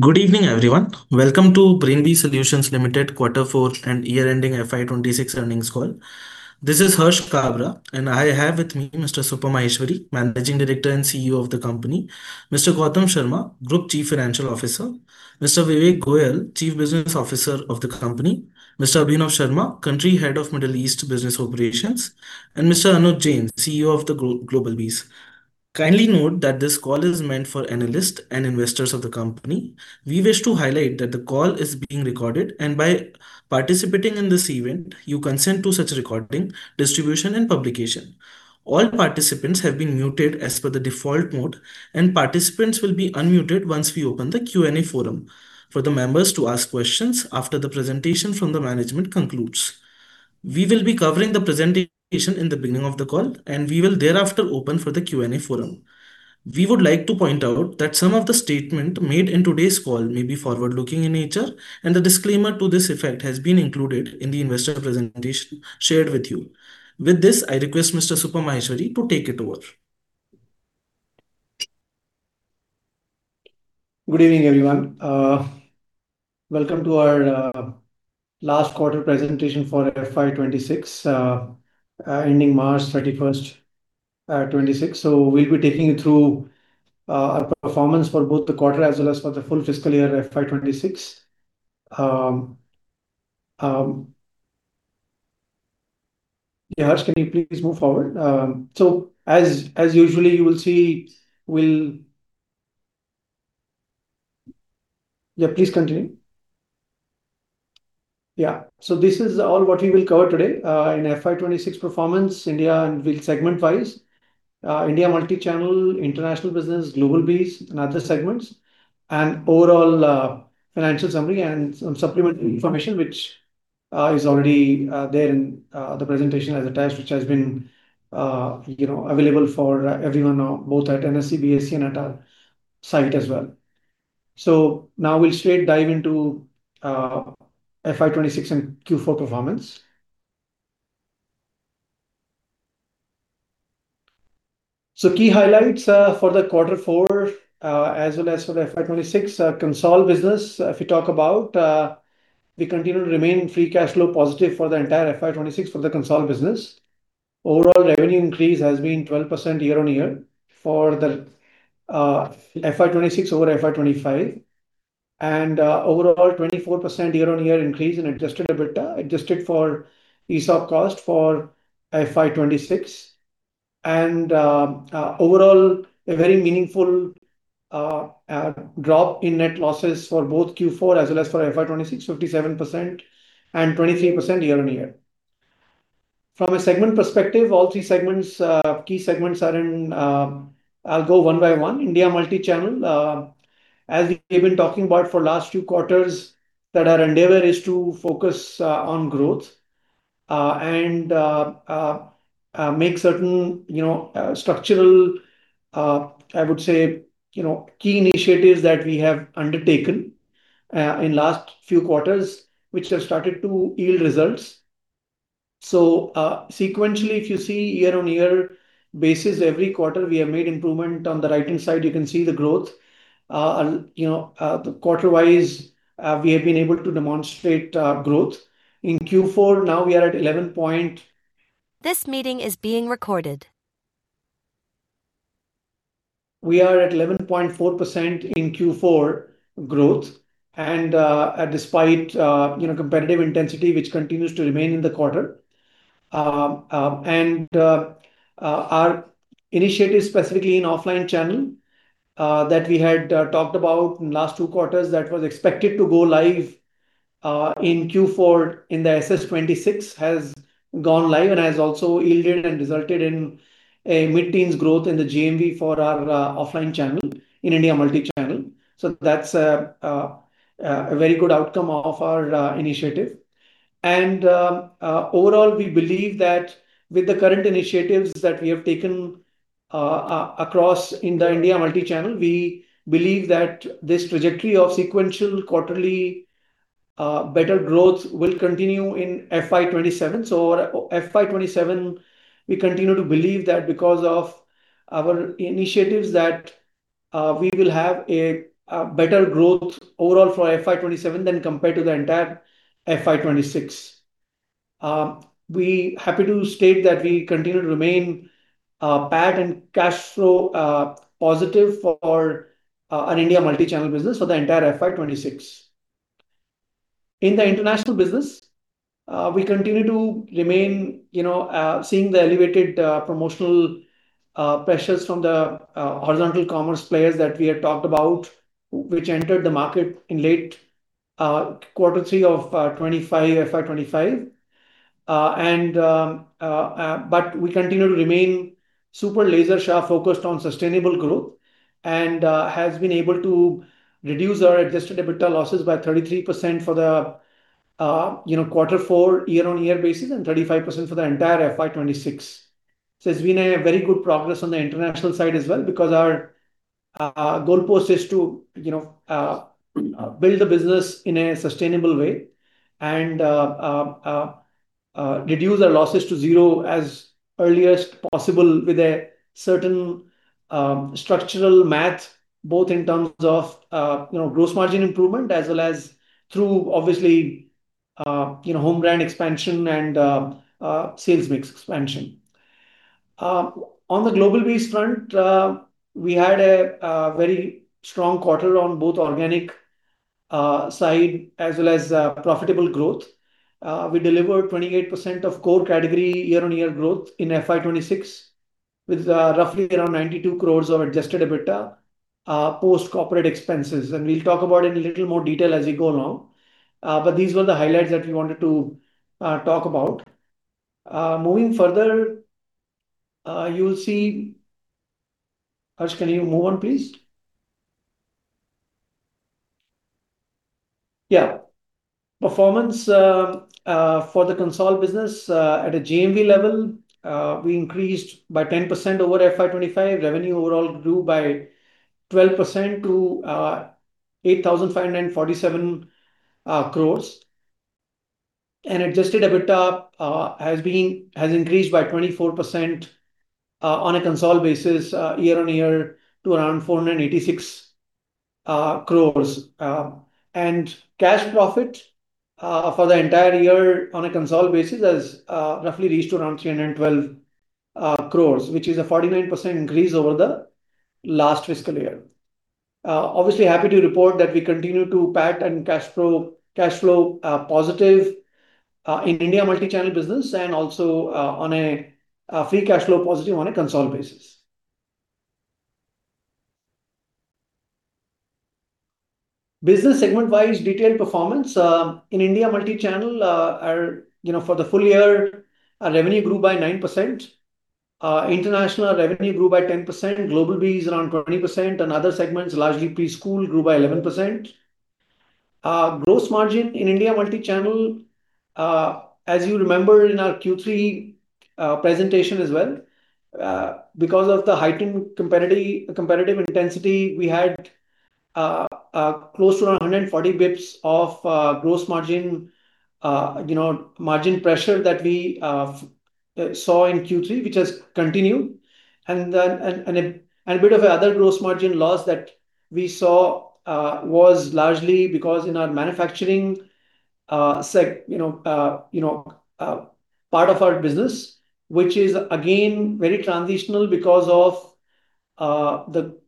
Good evening, everyone. Welcome to Brainbees Solutions Limited Quarter Four and Year Ending FY 2026 Earnings Call. This is [Harsh Kabra], and I have with me Mr. Supam Maheshwari, Managing Director and CEO of the company, Mr. Gautam Sharma, Group Chief Financial Officer, Mr. Vivek Goel, Chief Business Officer of the company, Mr. Abhinav Sharma, Country Head of Middle East Business Operations, and Mr. Anuj Jain, CEO of GlobalBees. Kindly note that this call is meant for analysts and investors of the company. We wish to highlight that the call is being recorded, and by participating in this event, you consent to such recording, distribution, and publication. All participants have been muted as per the default mode, and participants will be unmuted once we open the Q&A forum for the members to ask questions after the presentation from the management concludes. We will be covering the presentation in the beginning of the call, and we will thereafter open for the Q&A forum. We would like to point out that some of the statements made in today's call may be forward-looking in nature, and a disclaimer to this effect has been included in the investor presentation shared with you. With this, I request Mr. Supam Maheshwari to take it over. Good evening, everyone. Welcome to our last quarter presentation for FY 2026, ending March 31st, 2026. We'll be taking you through our performance for both the quarter as well as for the full fiscal year FY 2026. Can you please move forward? As usually you will see, we'll please continue. This is all what we will cover today. In FY 2026 performance, India will segment-wise. India multi-channel, international business, GlobalBees, and other segments, and overall financial summary and some supplementary information, which is already there in the presentation as attached, which has been available for everyone, both at NSE/BSE, and our site as well. Now we'll straight dive into FY 2026 and Q4 performance. Key highlights for the Q4, as well as for FY 2026. Consol business, if we talk about, we continue to remain free cash flow positive for the entire FY 2026 for the consol business. Overall revenue increase has been 12% year-on-year for the FY 2026 over FY 2025, and overall 24% year-on-year increase in adjusted EBITDA, adjusted for ESOP cost for FY 2026. Overall, a very meaningful drop in net losses for both Q4 as well as for FY 2026, 57% and 23% year-on-year. From a segment perspective, all three segments, key segments. I'll go one by one. India multi-channel, as we've been talking about for last few quarters, that our endeavor is to focus on growth, and make certain structural, I would say, key initiatives that we have undertaken in last few quarters, which have started to yield results. Sequentially, if you see year-on-year basis, every quarter, we have made improvement. On the right-hand side, you can see the growth. Quarter-wise, we have been able to demonstrate growth. In Q4, now we are at 11.4% in Q4 growth. Despite competitive intensity, which continues to remain in the quarter. Our initiative, specifically in offline channel, that we had talked about last two quarters, that was expected to go live in Q4 in the SS26 has gone live and has also yielded and resulted in a mid-teens growth in the GMV for our offline channel in India multi-channel. That's a very good outcome of our initiative. Overall, we believe that with the current initiatives that we have taken across in the India multi-channel, we believe that this trajectory of sequential quarterly better growth will continue in FY 2027. FY 2027, we continue to believe that because of our initiatives, that we will have a better growth overall for FY 2027 than compared to the entire FY 2026. We happy to state that we continue to remain PAT and cash flow positive for our India multi-channel business for the entire FY 2026. In the International business, we continue to remain, seeing the elevated promotional pressures from the horizontal commerce players that we had talked about, which entered the market in late Q3 of FY 2025. We continue to remain super laser sharp focused on sustainable growth and has been able to reduce our adjusted EBITDA losses by 33% for the Q4 year-over-year basis and 35% for the entire FY 2026. It's been a very good progress on the international side as well because our goalpost is to build a business in a sustainable way and reduce our losses to zero as early as possible with a certain structural math, both in terms of gross margin improvement as well as through, obviously, home brand expansion and sales mix expansion. On the GlobalBees front, we had a very strong quarter on both organic side as well as profitable growth. We delivered 28% of core category year-on-year growth in FY 2026, with roughly around 92 crores of adjusted EBITDA, post-corporate expenses. We'll talk about in a little more detail as we go along. These were the highlights that we wanted to talk about. Moving further, you'll see Harsh, can you move on, please? Yeah. Performance for the consolidated business at a GMV level, we increased by 10% over FY 2025. Revenue overall grew by 12% to 8,547 crores. Adjusted EBITDA has increased by 24% on a consolidated basis, year-over-year to around 486 crores. Cash profit for the entire year on a consolidated basis has roughly reached around 312 crores, which is a 49% increase over the last fiscal year. Obviously happy to report that we continue to PAT and cash flow positive in India multi-channel business and also on a free cash flow positive on a consolidated basis. Business segment-wise detailed performance. In India multi-channel, for the full year, our revenue grew by 9%. International revenue grew by 10%, GlobalBees around 20%, and other segments, largely preschool, grew by 11%. Gross margin in India multi-channel, as you remember in our Q3 presentation as well, because of the heightened competitive intensity. We had close to 140 basis points of gross margin pressure that we saw in Q3, which has continued. A bit of other gross margin loss that we saw was largely because in our manufacturing part of our business, which is again very transitional because of the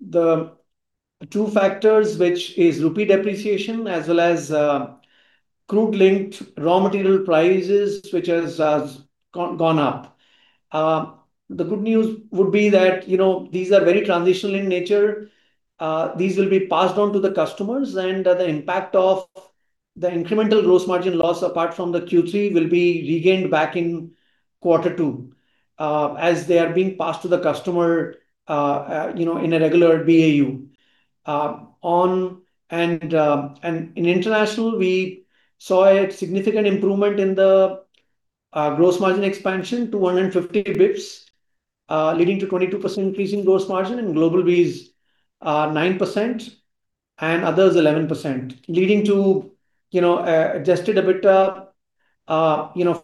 two factors, which is rupee depreciation as well as crude-linked raw material prices which has gone up. The good news would be that these are very transitional in nature. These will be passed on to the customers. The impact of the incremental gross margin loss apart from the Q3 will be regained back in Q2, as they are being passed to the customer in a regular BAU. In International, we saw a significant improvement in the gross margin expansion to 150 basis points, leading to 22% increase in gross margin. In GlobalBees, 9%, and others, 11%. Leading to adjusted EBITDA,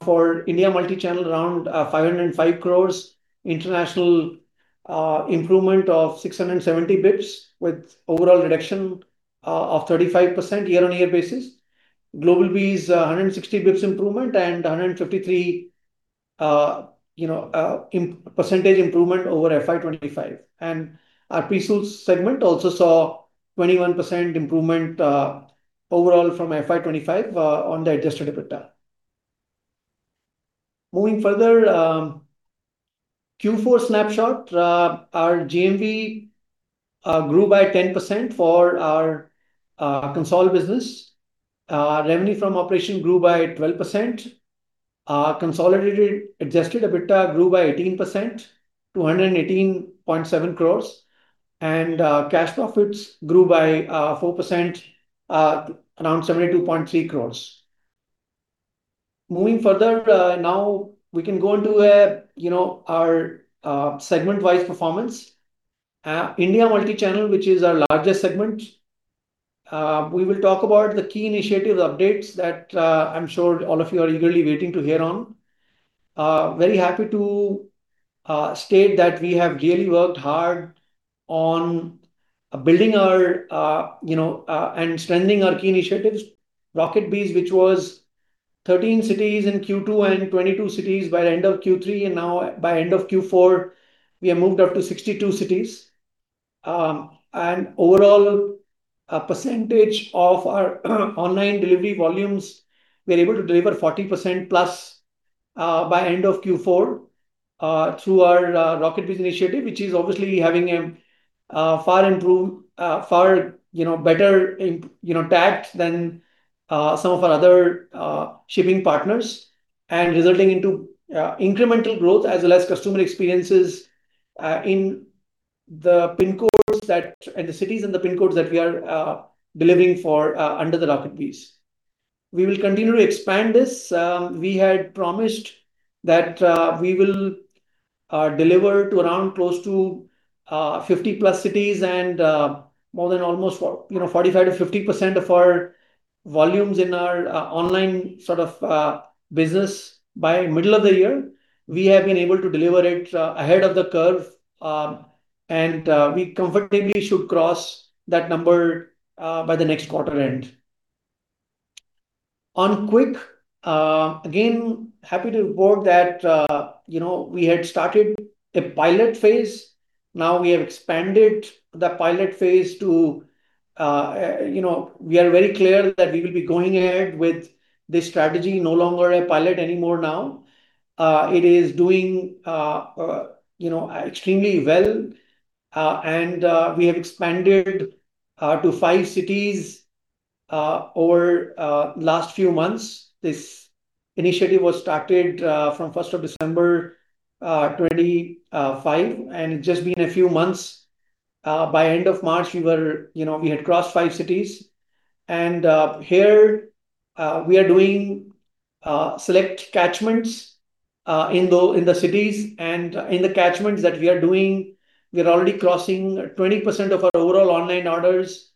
for India multi-channel, around 505 crores. International improvement of 670 basis points with overall reduction of 35% year-on-year basis. GlobalBees, 160 basis points improvement and 153% improvement over FY 2025. Our preschool segment also saw 21% improvement overall from FY 2025 on the adjusted EBITDA. Moving further, Q4 snapshot. Our GMV grew by 10% for our consolidated business. Revenue from operation grew by 12%. Consolidated adjusted EBITDA grew by 18% to 118.7 crores. Cash profits grew by 4%, around 72.3 crores. Moving further, now we can go into our segment-wise performance. India multi-channel, which is our largest segment. We will talk about the key initiative updates that I'm sure all of you are eagerly waiting to hear on. Very happy to state that we have really worked hard on building our, and expanding our key initiatives. RocketBees, which was 13 cities in Q2 and 22 cities by end of Q3, and now by end of Q4, we have moved up to 62 cities. Overall percentage of our online delivery volumes, we're able to deliver 40%+ by end of Q4 through our RocketBees initiative, which is obviously having a far better impact than some of our other shipping partners. Resulting into incremental growth as well as customer experiences in the cities and the pin codes that we are delivering for under the RocketBees. We will continue to expand this. We had promised that we will delivered to around close to 50+ cities and more than almost 45%-50% of our volumes in our online business by middle of the year. We have been able to deliver it ahead of the curve, and we comfortably should cross that number by the next quarter end. On quick, again, happy to report that we had started a pilot phase. We have expanded the pilot phase. We are very clear that we will be going ahead with this strategy, no longer a pilot anymore now. It is doing extremely well. We have expanded to five cities over last few months. This initiative was started from 1st of December 2025. It's just been a few months. By end of March, we had crossed five cities. Here we are doing select catchments in the cities, and in the catchments that we are doing, we are already crossing 20% of our overall online orders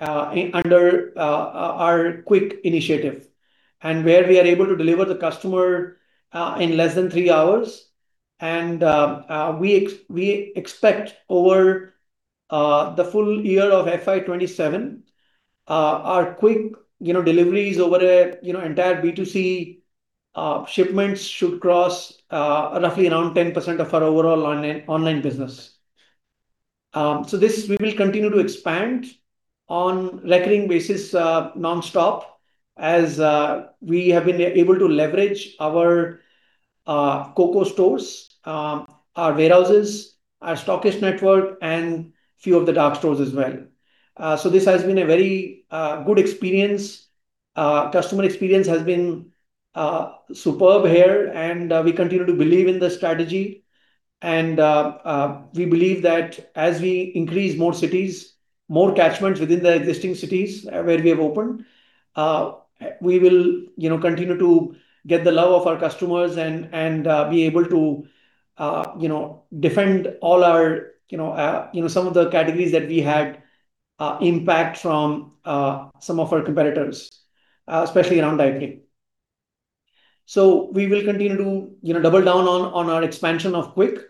under our quick initiative. Where we are able to deliver the customer in less than three hours. We expect over the full year of FY 2027, our quick deliveries over entire B2C shipments should cross roughly around 10% of our overall online business. This, we will continue to expand on recurring basis nonstop as we have been able to leverage our COCO stores, our warehouses, our stockist network, and few of the dark stores as well. This has been a very good experience. Customer experience has been superb here, and we continue to believe in the strategy. We believe that as we increase more cities, more catchments within the existing cities where we have opened, we will continue to get the love of our customers and be able to defend some of the categories that we had impact from some of our competitors, especially around diaper. We will continue to double down on our expansion of Qwik,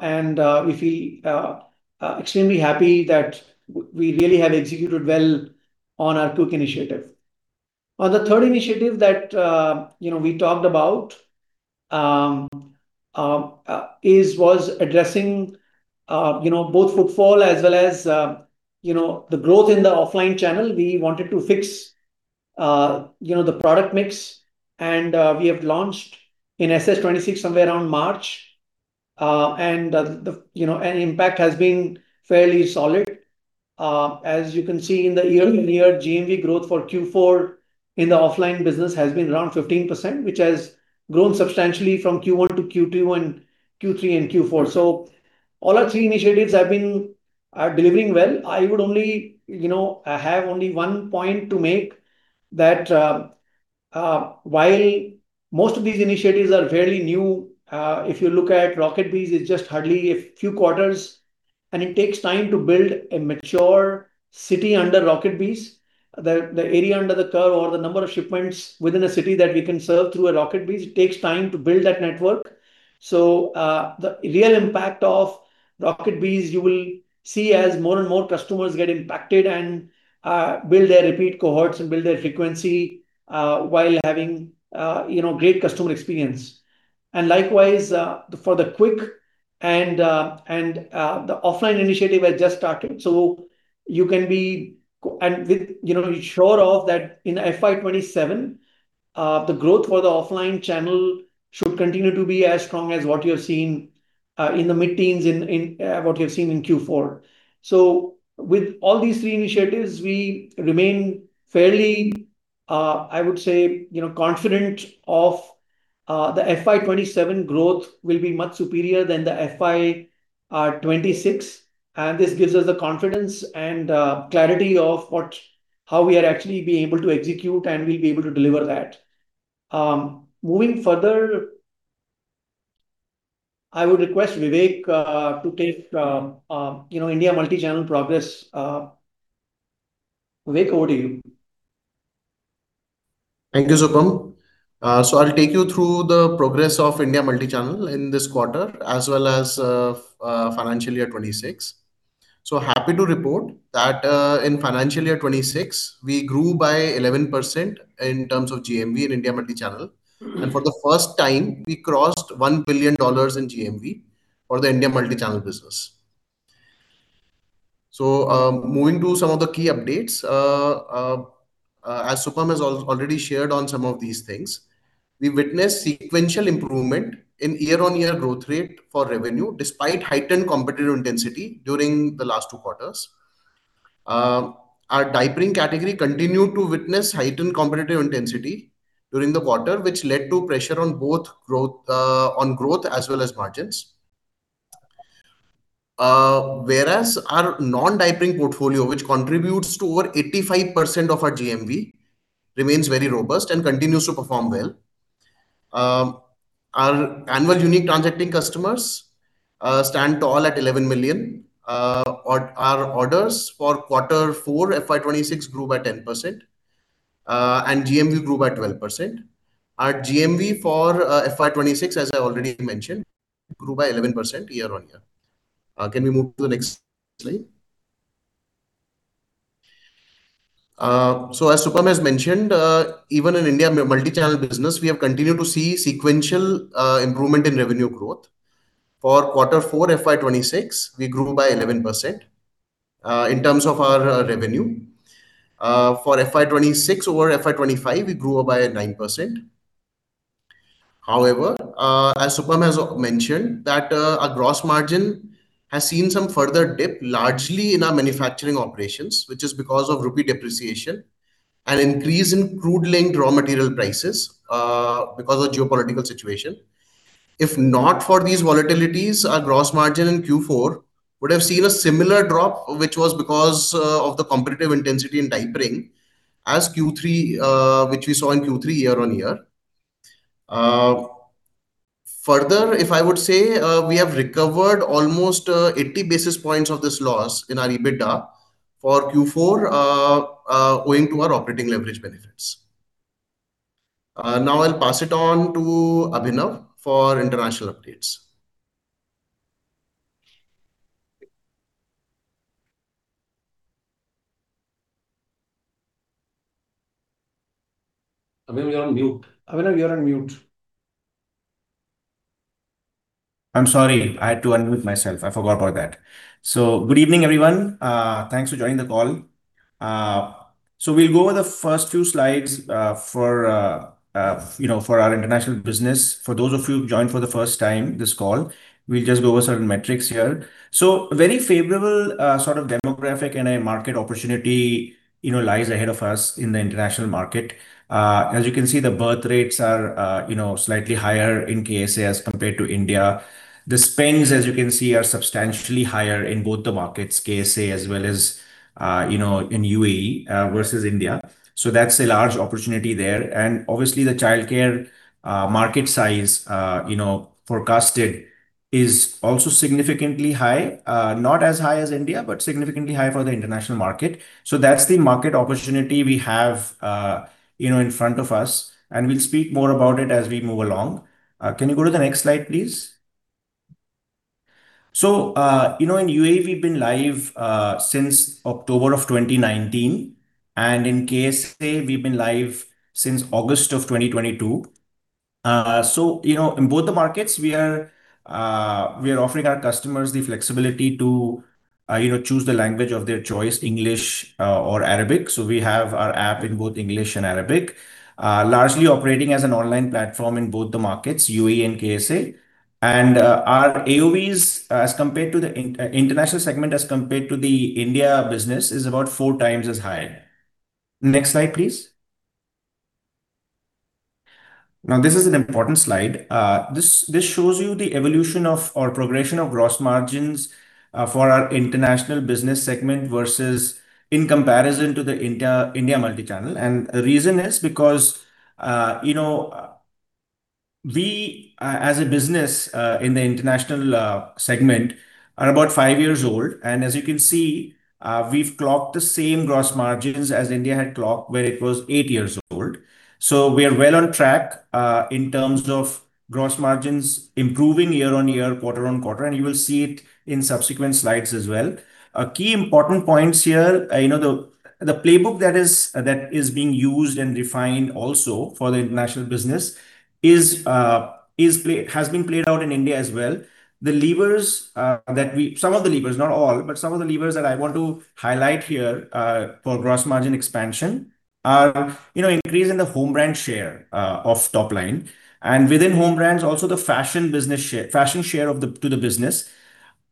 and extremely happy that we really have executed well on our Qwik initiative. The third initiative that we talked about was addressing both footfall as well as the growth in the offline channel. We wanted to fix the product mix. We have launched in SS26 somewhere around March. The impact has been fairly solid. As you can see in the year-on-year GMV growth for Q4 in the offline business has been around 15%, which has grown substantially from Q1-Q2 and Q3 and Q4. All our three initiatives are delivering well. I have only one point to make, that while most of these initiatives are fairly new, if you look at RocketBees, it's just hardly a few quarters, and it takes time to build a mature city under RocketBees. The area under the curve or the number of shipments within a city that we can serve through a RocketBees, it takes time to build that network. The real impact of RocketBees, you will see as more and more customers get impacted and build their repeat cohorts and build their frequency while having great customer experience. Likewise, for the Qwik and the offline initiative has just started. You can be assured of that in FY 2027, the growth for the offline channel should continue to be as strong as what you have seen in the mid-teens in what you have seen in Q4. With all these three initiatives, we remain fairly, I would say, confident of the FY 2027 growth will be much superior than the FY 2026. This gives us the confidence and clarity of how we are actually being able to execute, and we'll be able to deliver that. Moving further, I would request Vivek to take India multi-channel progress. Vivek, over to you. Thank you, Supam. I'll take you through the progress of India multi-channel in this quarter as well as financial year 2026. Happy to report that in financial year 2026, we grew by 11% in terms of GMV in India multi-channel. For the first time, we crossed INR 1 billion in GMV for the India multi-channel business. Moving to some of the key updates. As Supam has already shared on some of these things, we witnessed sequential improvement in year-on-year growth rate for revenue, despite heightened competitive intensity during the last two quarters. Our diapering category continued to witness heightened competitive intensity during the quarter, which led to pressure on growth as well as margins. Whereas our non-diapering portfolio, which contributes to over 85% of our GMV, remains very robust and continues to perform well. Our annual unique transacting customers stand tall at 11 million. Our orders for Q4 FY 2026 grew by 10%, and GMV grew by 12%. Our GMV for FY 2026, as I already mentioned, grew by 11% year-on-year. Can we move to the next slide? As Supam has mentioned, even in India in the multi-channel business, we have continued to see sequential improvement in revenue growth. For Q4 FY 2026, we grew by 11% in terms of our revenue. For FY 2026 over FY 2025, we grew by 9%. However, as Supam has mentioned, that our gross margin has seen some further dip, largely in our manufacturing operations, which is because of rupee depreciation and increase in crude linked raw material prices because of geopolitical situation. If not for these volatilities, our gross margin in Q4 would have seen a similar drop, which was because of the competitive intensity in diapering as we saw in Q3 year-on-year. Further, if I would say, we have recovered almost 80 basis points of this loss in our EBITDA for Q4, owing to our operating leverage benefits. Now I'll pass it on to Abhinav for International updates. Abhinav, you're on mute. I'm sorry, I had to unmute myself, I forgot about that. Good evening, everyone. Thanks for joining the call. We'll go over the first few slides for our international business. For those of you who've joined for the first time, this call, we'll just go over certain metrics here. Very favorable sort of demographic and a market opportunity lies ahead of us in the international market. As you can see, the birthrates are slightly higher in K.S.A. as compared to India. The spends, as you can see, are substantially higher in both the markets, K.S.A. as well as in U.A.E. versus India. That's a large opportunity there. Obviously, the childcare market size forecasted is also significantly high, not as high as India, but significantly high for the international market. That's the market opportunity we have in front of us, and we'll speak more about it as we move along. Can you go to the next slide, please? In U.A.E., we've been live since October of 2019, and in K.S.A., we've been live since August of 2022. In both the markets, we are offering our customers the flexibility to either choose the language of their choice, English or Arabic. We have our app in both English and Arabic. Largely operating as an online platform in both the markets, U.A.E. and K.S.A. Our AOV as compared to the international segment as compared to the India business, is about 4x as high. Next slide, please. This is an important slide. This shows you the evolution of, or progression of gross margins for our international business segment versus in comparison to the India multi-channel. The reason is because we, as a business in the International segment, are about five years old. As you can see, we've clocked the same gross margins as India had clocked when it was eight years old. We are well on track in terms of gross margins improving year-on-year, quarter-on-quarter. You will see it in subsequent slides as well. Key important points here, the playbook that is being used and refined also for the international business, has been played out in India as well. Some of the levers, not all, but some of the levers that I want to highlight here for gross margin expansion are increase in the home brand share of top line. Within home brands, also the fashion share to the business.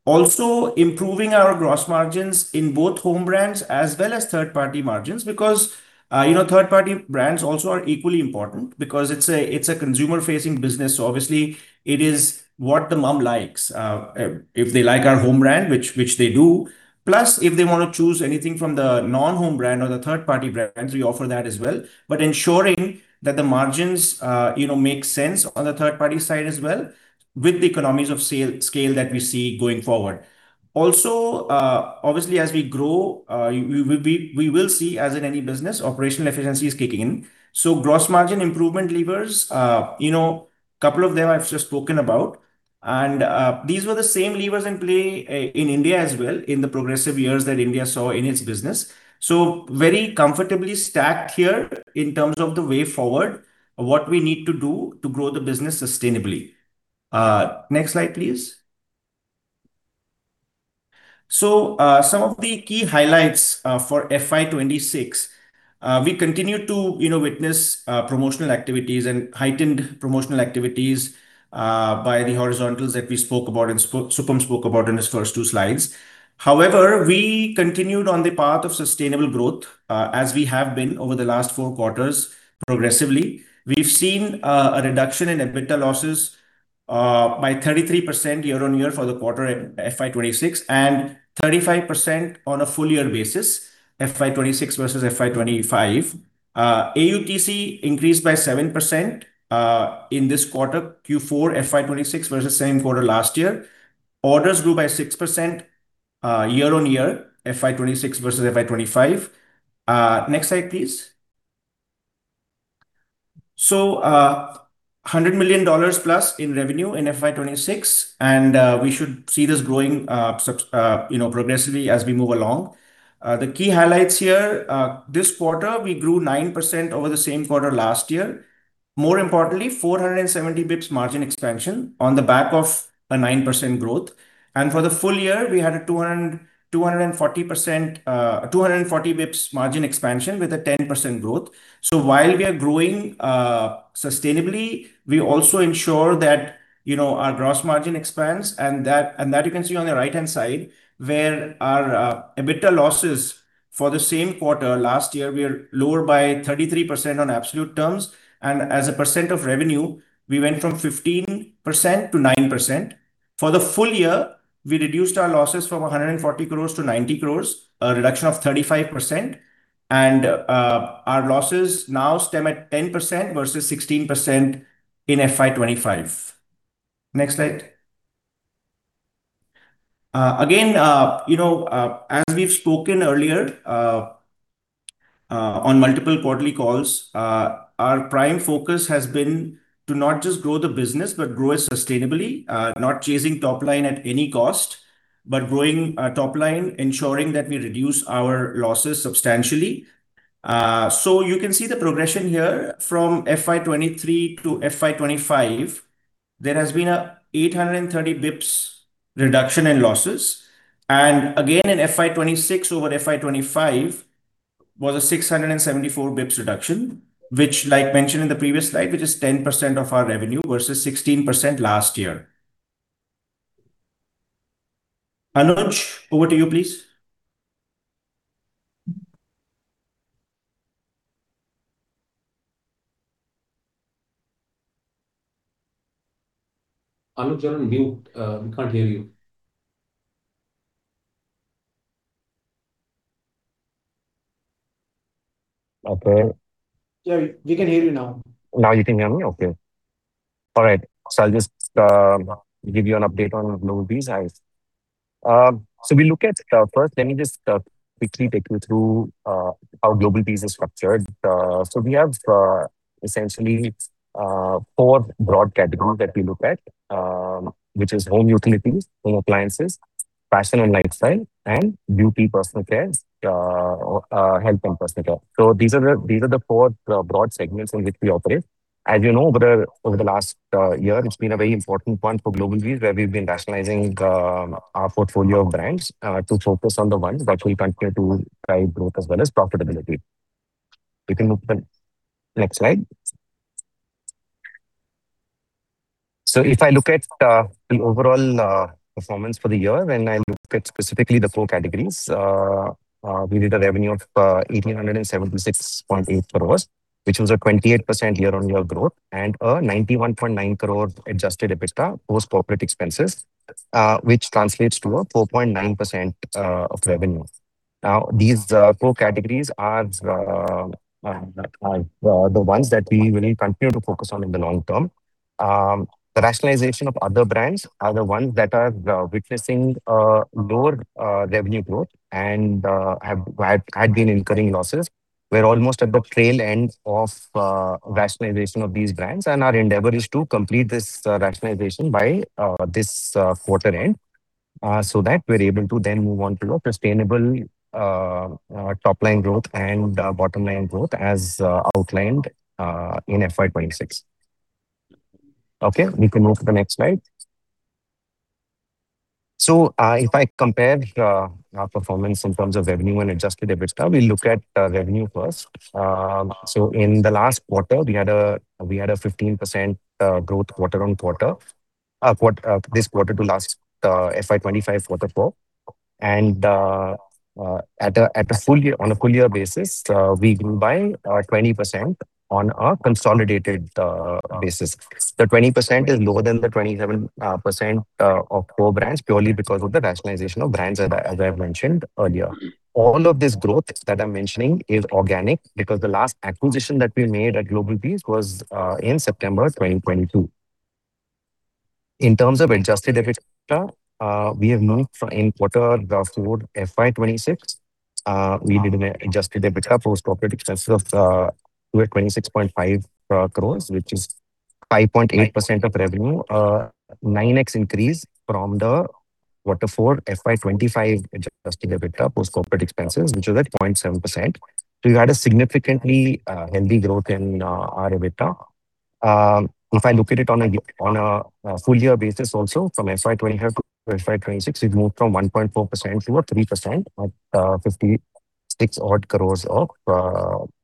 Improving our gross margins in both home brands as well as third-party margins. Third-party brands also are equally important because it's a consumer-facing business. Obviously, it is what the mom likes. If they like our home brand, which they do, plus if they want to choose anything from the non-home brand or the third-party brands, we offer that as well. Ensuring that the margins make sense on the third-party side as well, with the economies of scale that we see going forward. Obviously, as we grow, we will see, as in any business, operational efficiencies kick in. Gross margin improvement levers, couple of them I've just spoken about. These were the same levers in play in India as well in the progressive years that India saw in its business. Very comfortably stacked here in terms of the way forward and what we need to do to grow the business sustainably. Next slide, please. Some of the key highlights for FY 2026. We continued to witness promotional activities and heightened promotional activities by the horizontals that Supam spoke about in his first two slides. However, we continued on the path of sustainable growth as we have been over the last four quarters progressively. We've seen a reduction in EBITDA losses By 33% year-over-year for the quarter FY 2026 and 35% on a full year basis, FY 2026 versus FY 2025. AUTC increased by 7% in this quarter, Q4 FY 2026 versus same quarter last year. Orders grew by 6% year-over-year, FY 2026 versus FY 2025. Next slide, please. $100 million+ in revenue in FY 2026, and we should see this growing progressively as we move along. The key highlights here, this quarter, we grew 9% over the same quarter last year. More importantly, 470 basis points margin expansion on the back of a 9% growth. For the full year, we had a 240 basis points margin expansion with a 10% growth. While we are growing sustainably, we also ensure that our gross margin expands and that you can see on the right-hand side, where our EBITDA losses for the same quarter last year were lower by 33% in absolute terms. As a percent of revenue, we went from 15%-9%. For the full year, we reduced our losses from 140 crore-90 crore, a reduction of 35%, and our losses now stand at 10% versus 16% in FY 2025. Next slide. As we've spoken earlier on multiple quarterly calls, our prime focus has been to not just grow the business but grow it sustainably. Not chasing top line at any cost, but growing top line, ensuring that we reduce our losses substantially. You can see the progression here from FY 2023-FY 2025, there has been a 830 basis points reduction in losses. Again, in FY 2026 over FY 2025 was a 674 basis points reduction, which as mentioned in the previous slide, which is 10% of our revenue versus 16% last year. Anuj, over to you, please. Anuj, you're on mute. We can't hear you. Okay. Sorry. We can hear you now. Now you can hear me? Okay. All right. I'll just give you an update on GlobalBees. We look at, first, let me just quickly take you through how GlobalBees is structured. We have essentially four broad categories that we look at, which is home utilities, home appliances, fashion and lifestyle, and beauty, personal care, health, and personal care. These are the four broad segments in which we operate. As you know, over the last year, it's been a very important point for GlobalBees, where we've been rationalizing our portfolio of brands to focus on the ones that we continue to drive growth as well as profitability. We can open the next slide. If I look at the overall performance for the year, when I look at specifically the four categories, we did a revenue of 1,876.8 crores, which was a 28% year-on-year growth and an 91.9 crore adjusted EBITDA post corporate expenses, which translates to a 4.9% of revenue. These four categories are the ones that we will continue to focus on in the long term. The rationalization of other brands are the ones that are witnessing lower revenue growth and have been incurring losses. We're almost at the tail end of the rationalization of these brands, and our endeavor is to complete this rationalization by this quarter end so that we're able to then move on to sustainable top-line growth and bottom-line growth as outlined in FY 2026. We can move to the next slide. If I compare our performance in terms of revenue and adjusted EBITDA, we look at revenue first. In the last quarter, we had a 15% growth quarter-on-quarter. This quarter to last FY 2025 Q4 and on a full year basis, we grew by 20% on a consolidated basis. The 20% is lower than the 27% of core brands purely because of the rationalization of brands, as I mentioned earlier. All of this growth that I'm mentioning is organic because the last acquisition that we made at GlobalBees was in September 2022. In terms of adjusted EBITDA, we have moved in Q4 FY 2026. We made an adjusted EBITDA post profit expenses of 226.5 crore, which is 5.8% of revenue, a 9x increase from the Q4 FY 2025 adjusted EBITDA post profit expenses, which was at 0.7%. We had a significantly healthy growth in our EBITDA. If I look at it on a full year basis also from FY 2025-FY 2026, we moved from 1.4%-3% at 56 odd crores of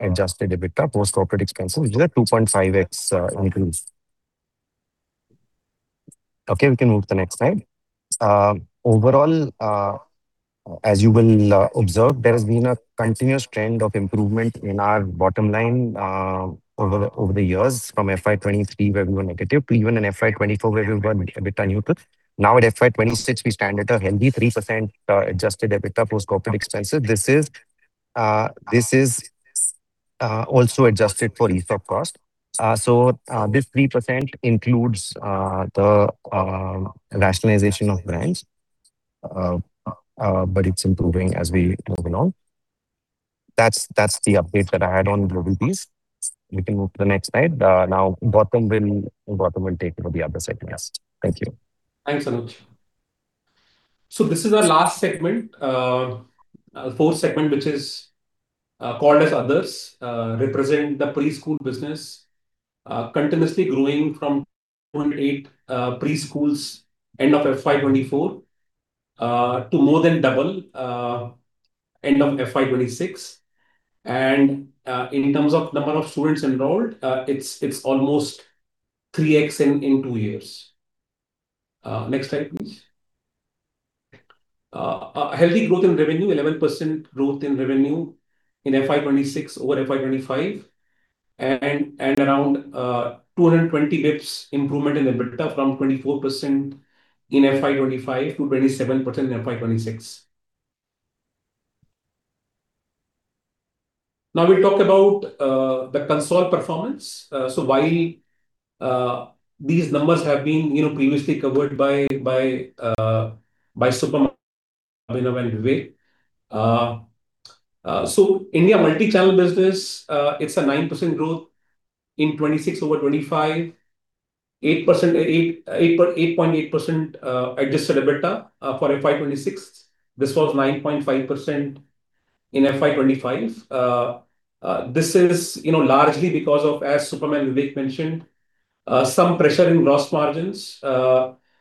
adjusted EBITDA post profit expenses, which is a 2.5x increase. We can move to the next slide. As you will observe, there has been a continuous trend of improvement in our bottom line over the years from FY 2023, where we were negative. Even in FY 2024, where we got EBITDA neutral. In FY 2026, we stand at a healthy 3% adjusted EBITDA post corporate expenses. This is also adjusted for ESOP cost. This 3% includes the rationalization of brands, but it's improving as we move along. That's the update that I had on GlobalBees. You can move to the next slide. Varun will take over the other segments. Thank you. Thanks, Anuj. This is our last segment, fourth segment, which is called As Others, represent the preschool business continuously growing from 0.8 preschools end of FY 2024 to more than double end of FY 2026. In terms of number of students enrolled, it's almost 3x in two years. Next slide, please. A healthy growth in revenue, 11% growth in revenue in FY 2026 over FY 2025, around 220 basis points improvement in EBITDA from 24% in FY 2025 to 27% in FY 2026. We talk about the console performance. While these numbers have been previously covered by Supam, Abhinav and Vivek. India multi-channel business, it's a 9% growth in 2026 over 2025, 8.8% adjusted EBITDA for FY 2026. This was 9.5% in FY 2025. This is largely because of, as Supam and Vivek mentioned, some pressure in gross margins,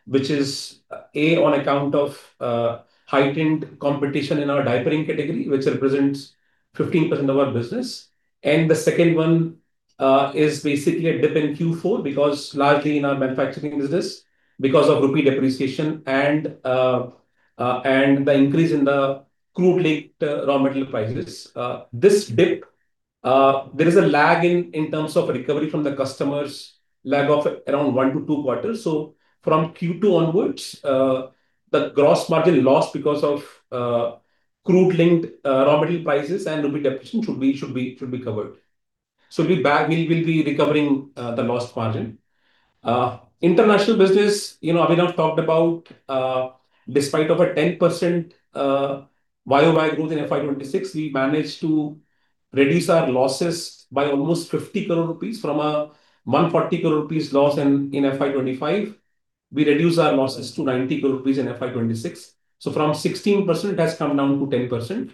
which is, A, on account of heightened competition in our diapering category, which represents 15% of our business. The second one is basically a dip in Q4 because largely in our manufacturing business because of rupee depreciation and the increase in the crude linked raw material prices. This dip, there is a lag in terms of recovery from the customers, lag of around one to two quarters. From Q2 onwards, the gross margin lost because of crude linked raw material prices and rupee depreciation should be covered. We will be recovering the lost margin. International business, Abhinav talked about despite of a 10% YoY growth in FY 2026, we managed to reduce our losses by almost 50 crores rupees from a 140 crores rupees loss in FY 2025. We reduced our losses to 90 crores rupees in FY 2026. From 16%, it has come down to 10%.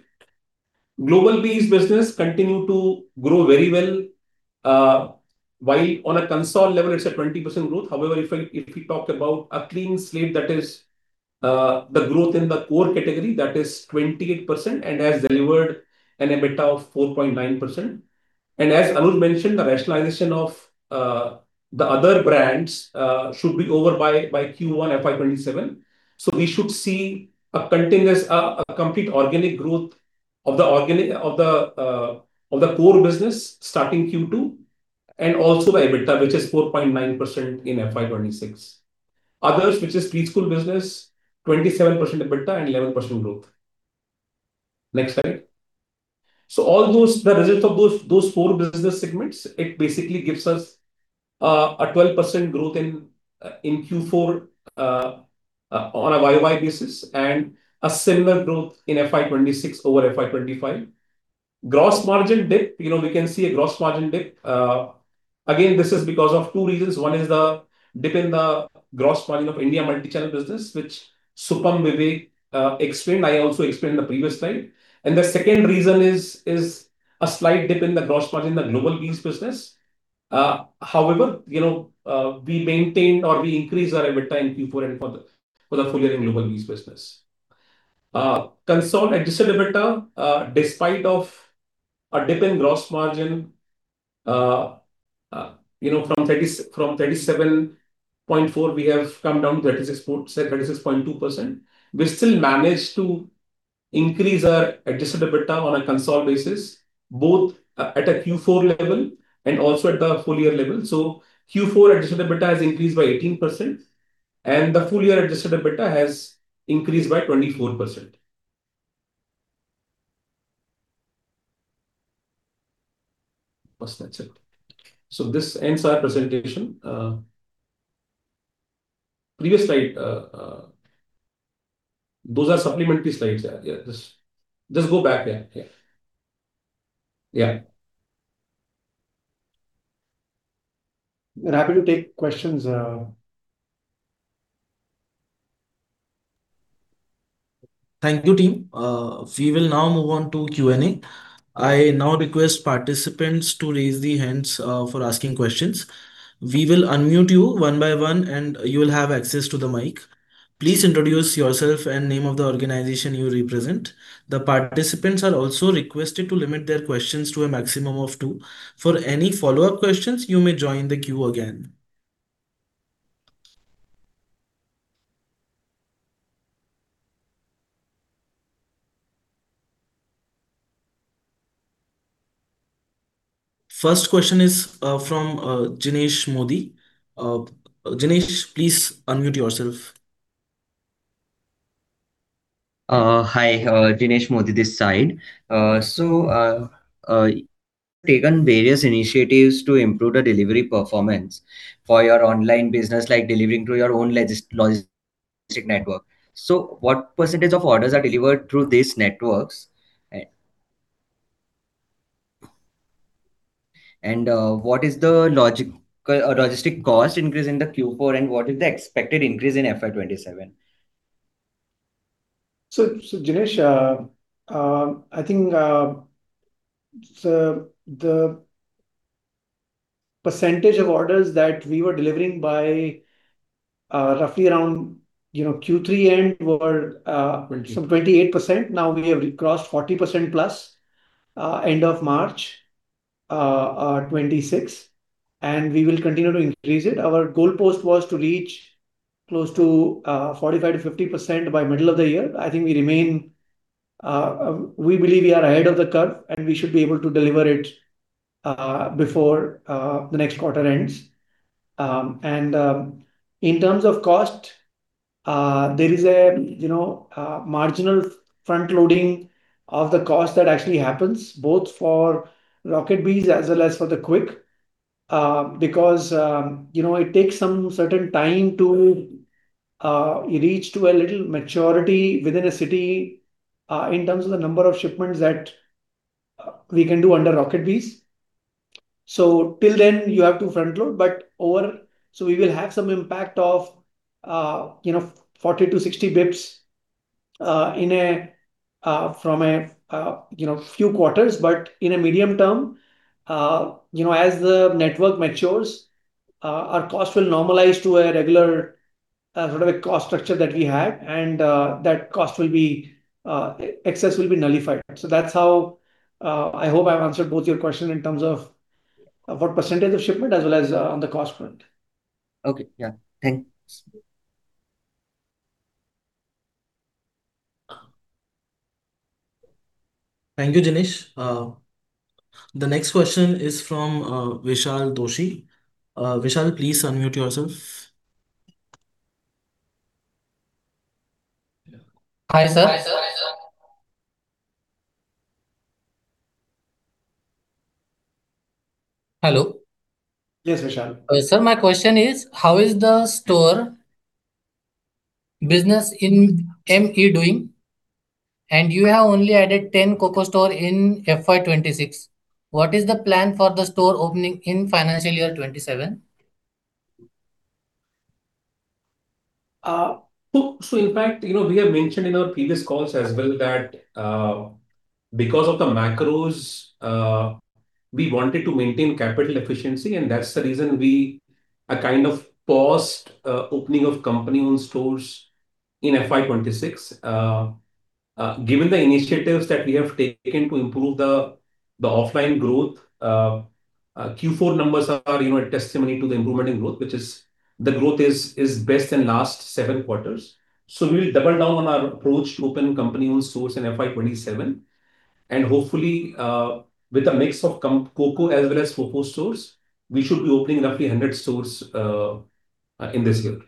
GlobalBees business continue to grow very well. While on a consolidated level, it's a 20% growth. If we talk about a clean slate, that is the growth in the core category, that is 28% and has delivered an EBITDA of 4.9%. As Anuj mentioned, the rationalization of the other brands should be over by Q1 FY 2027. We should see a complete organic growth of the core business starting Q2 and also the EBITDA, which is 4.9% in FY 2026. Others, which is preschool business, 27% EBITDA and 11% growth. Next slide. All those, the results of those four business segments, it basically gives us a 12% growth in Q4 on a YoY basis and a similar growth in FY 2026 over FY 2025. We can see a gross margin dip. Again, this is because of two reasons. One is the dip in the gross margin of India multi-channel business, which Supam, Vivek explained. I also explained the previous time. The second reason is a slight dip in the gross margin in the GlobalBees business. However, we maintained or we increased our EBITDA in Q4 and for the full year in GlobalBees business. Consol adjusted EBITDA, despite of a dip in gross margin, from 37.4%, we have come down to 36.2%. We still managed to increase our adjusted EBITDA on a consol basis, both at a Q4 level and also at the full year level. Boss, that's it. This ends our presentation. Previous slide. Those are supplementary slides. Just go back. Yeah. We're happy to take questions. Thank you, team. We will now move on to Q&A. I now request participants to raise their hands for asking questions. We will unmute you one by one and you'll have access to the mic. Please introduce yourself and name of the organization you represent. The participants are also requested to limit their questions to a maximum of two. For any follow-up questions, you may join the queue again. First question is from [Jinesh Modi]. Jinesh, please unmute yourself. Hi. [Jinesh Modi] this side. You've taken various initiatives to improve the delivery performance for your online business, like delivering to your own logistic network. What percentage of orders are delivered through these networks? What is the logistic cost increase in the Q4, and what is the expected increase in FY 2027? Jinesh, I think the percentage of orders that we were delivering by roughly around Q3 end were. 28%. Now we have crossed 40%+ end of March 2026, and we will continue to increase it. Our goalpost was to reach close to 45%-50% by middle of the year. I think we believe we are ahead of the curve, and we should be able to deliver it before the next quarter ends. In terms of cost, there is a marginal front-loading of the cost that actually happens, both for RocketBees as well as for the Qwik, because it takes some certain time to reach to a little maturity within a city in terms of the number of shipments that we can do under RocketBees. Till then, you have to front-load. We will have some impact of 40 basis points-60 basis points from a few quarters. In a medium term, as the network matures, our cost will normalize to a regular cost structure that we had, and that excess cost will be nullified. That's how I hope I answered both your question in terms of what percentage of shipment as well as around the cost front. Okay. Yeah. Thanks. Thank you, Jinesh. The next question is from [Vishal Doshi]. Vishal, please unmute yourself. Hi, sir. Hello. Yes, Vishal. Sir, my question is, how is the store business in ME doing? You have only added 10 COCO stores in FY 2026. What is the plan for the store opening in financial year 2027? In fact, we have mentioned in our previous calls as well that because of the macros, we wanted to maintain capital efficiency, and that's the reason we kind of paused opening of company-owned stores in FY 2026. Given the initiatives that we have taken to improve the offline growth, Q4 numbers are a testimony to the improvement in growth, which is the growth is best in last seven quarters. We will double down on our approach to open company-owned stores in FY 2027. Hopefully, with a mix of COCO as well as COCO stores, we should be opening up 100 stores in this year.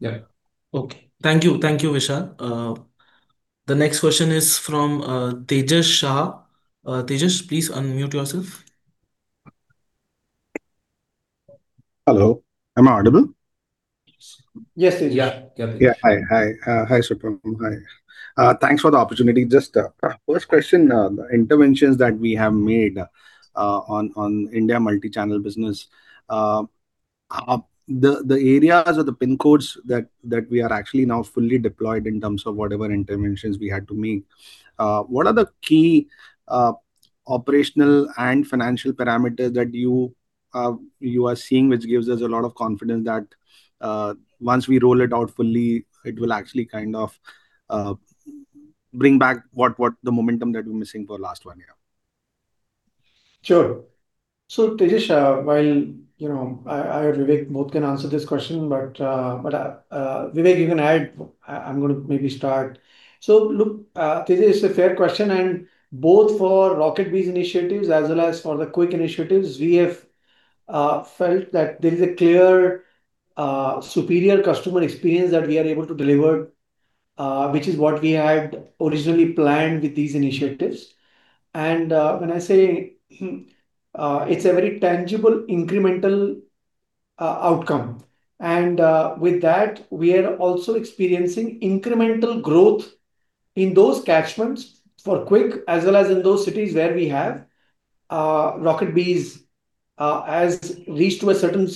Yeah. Okay. Thank you, Vishal. The next question is from [Tejas Shah]. Tejas, please unmute yourself. Hello? Am I audible? Yes. Yeah. Yeah. Hi, Supam. Hi. Thanks for the opportunity. Just a quick question. Interventions that we have made on India multi-channel business. The areas or the pin codes that we are actually now fully deployed in terms of whatever interventions we had to make. What are the key operational and financial parameters that you are seeing, which gives us a lot of confidence that once we roll it out fully, it will actually bring back the momentum that we're missing for last one year? Sure. Tejas, while I and Vivek both can answer this question, but, Vivek, you can add, I'm going to maybe start. Look, Tejas, it's a fair question, both for RocketBees initiatives as well as for the Qwik initiatives, we have felt that there's a clear, superior customer experience that we are able to deliver, which is what we had originally planned with these initiatives. When I say it's a very tangible, incremental outcome. With that, we are also experiencing incremental growth in those catchments for Qwik, as well as in those cities where we have RocketBees has reached to a certain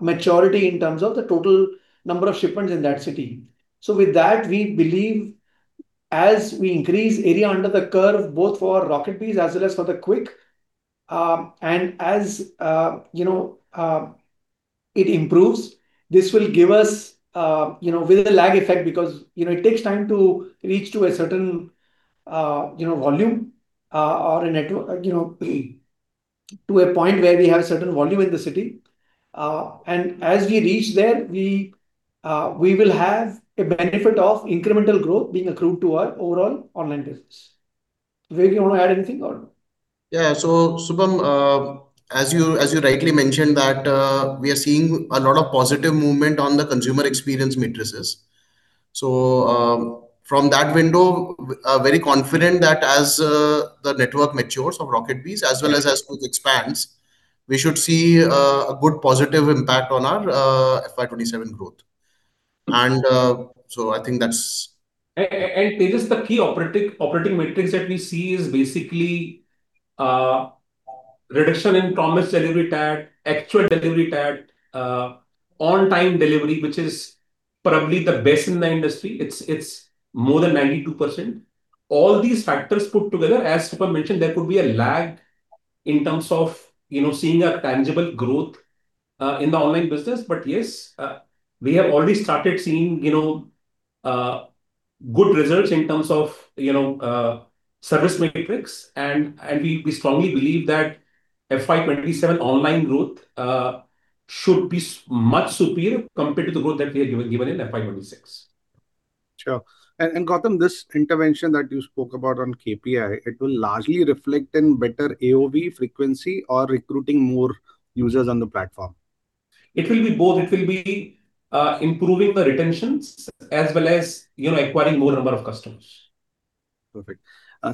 maturity in terms of the total number of shipments in that city. With that, we believe as we increase area under the curve, both for RocketBees as well as for the Qwik, and as it improves, this will give us with a lag effect, because it takes time to reach to a certain volume or a network, to a point where we have certain volume in the city. As we reach there, we will have a benefit of incremental growth being accrued to our overall online business. Vivek, you want to add anything or no? Yeah. Supam, as you rightly mentioned that we are seeing a lot of positive movement on the consumer experience matrices. From that window, very confident that as the network matures for RocketBees as well as it expands, we should see a good positive impact on our FY 2027 growth. Tejas, the key operating metrics that we see is basically, reduction in promised delivery TAT, actual delivery TAT, on-time delivery, which is probably the best in the industry. It's more than 92%. All these factors put together, as Supam mentioned, there could be a lag in terms of seeing a tangible growth in the online business. Yes, we have already started seeing good results in terms of service metrics. We strongly believe that FY 2027 online growth should be much superior compared to the growth that we have given in FY 2026. Sure. Gautam, this intervention that you spoke about on KPI, it will largely reflect in better AOV frequency or recruiting more users on the platform? It will be both. It will be improving the retentions as well as acquiring more number of customers. Perfect.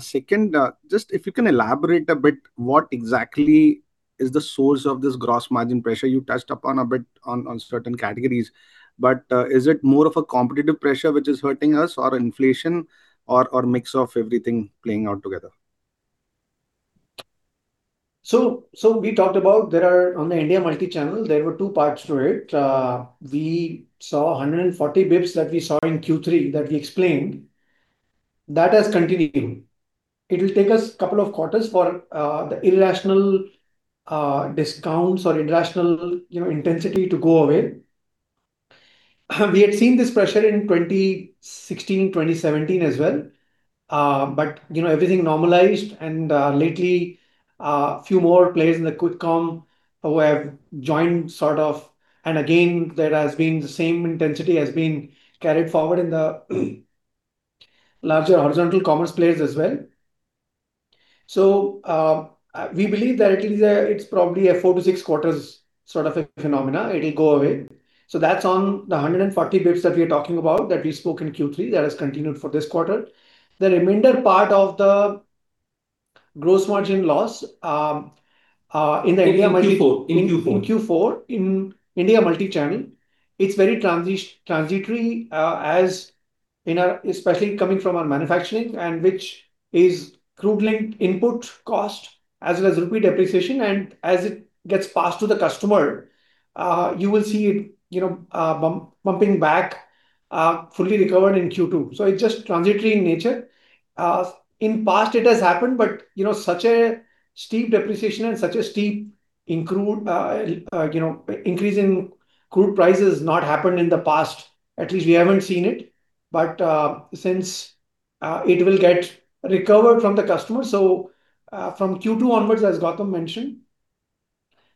Second, just if you can elaborate a bit, what exactly is the source of this gross margin pressure you touched upon a bit on certain categories, but is it more of a competitive pressure which is hurting us, or inflation, or a mix of everything playing out together? We talked about on the India multi-channel, there were two parts to it. We saw 140 basis points that we saw in Q3 that we explained. That has continued. It will take us a couple of quarters for the irrational discounts or irrational intensity to go away. We had seen this pressure in 2016, 2017 as well. Everything normalized, and lately a few more players in the quick-com who have joined, sort of, and again, the same intensity has been carried forward in the larger horizontal commerce players as well. We believe that it's probably a four to six quarters sort of a phenomena. It'll go away. That's on the 140 basis points that we're talking about that we spoke in Q3 that has continued for this quarter. The remainder part of the gross margin loss. In Q4. In Q4, in India multi-channel, it's very transitory, especially coming from our manufacturing and which is crude-linked input cost as well as rupee depreciation. As it gets passed to the customer, you will see it bumping back, fully recovered in Q2. It's just transitory in nature. In past it has happened, such a steep depreciation and such a steep increase in crude prices has not happened in the past. At least we haven't seen it. Since it will get recovered from the customer, from Q2 onwards, as Gautam mentioned,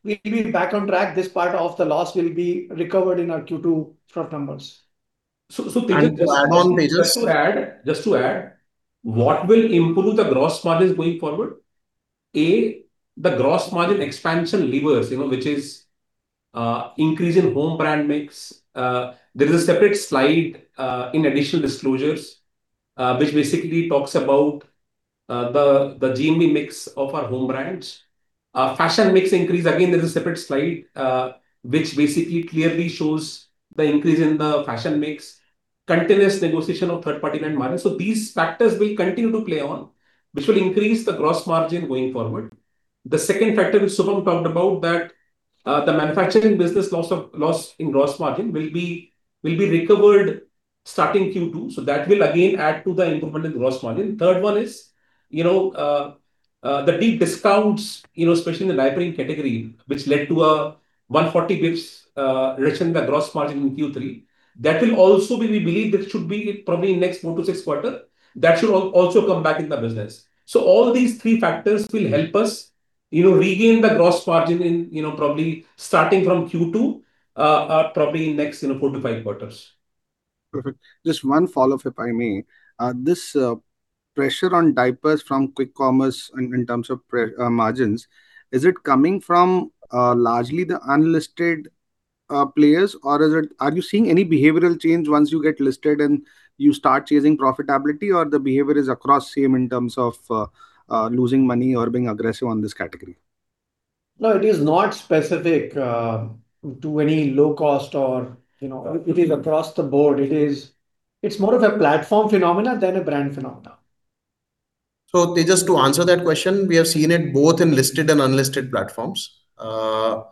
we'll be back on track. This part of the loss will be recovered in our Q2 profit numbers. Just to add, what will improve the gross margins going forward? A, the gross margin expansion levers, which is increase in home brand mix. There's a separate slide, in additional disclosures, which basically talks about the GMV mix of our home brands. Fashion mix increase, again, there's a separate slide, which basically clearly shows the increase in the fashion mix. Continuous negotiation of third-party brand margin. These factors will continue to play on, which will increase the gross margin going forward. The second factor which Supam talked about that the manufacturing business loss in gross margin will be recovered starting Q2. That will again add to the improvement in gross margin. Third one is the deep discounts, especially in the diapering category, which led to a 140 basis points reduction in the gross margin in Q3. We believe this should be probably next four to six quarter. That should also come back in the business. All these three factors will help us regain the gross margin probably starting from Q2, probably in the next four to five quarters. Perfect. Just one follow-up, if I may. This pressure on diapers from quick-commerce in terms of margins, is it coming from largely the unlisted players, or are you seeing any behavioral change once you get listed and you start chasing profitability, or the behavior is across same in terms of losing money or being aggressive on this category? No, it is not specific to any low cost. It is across the board. It is more of a platform phenomenon than a brand phenomenon. Tejas. To answer that question, we have seen it both in listed and unlisted platforms. That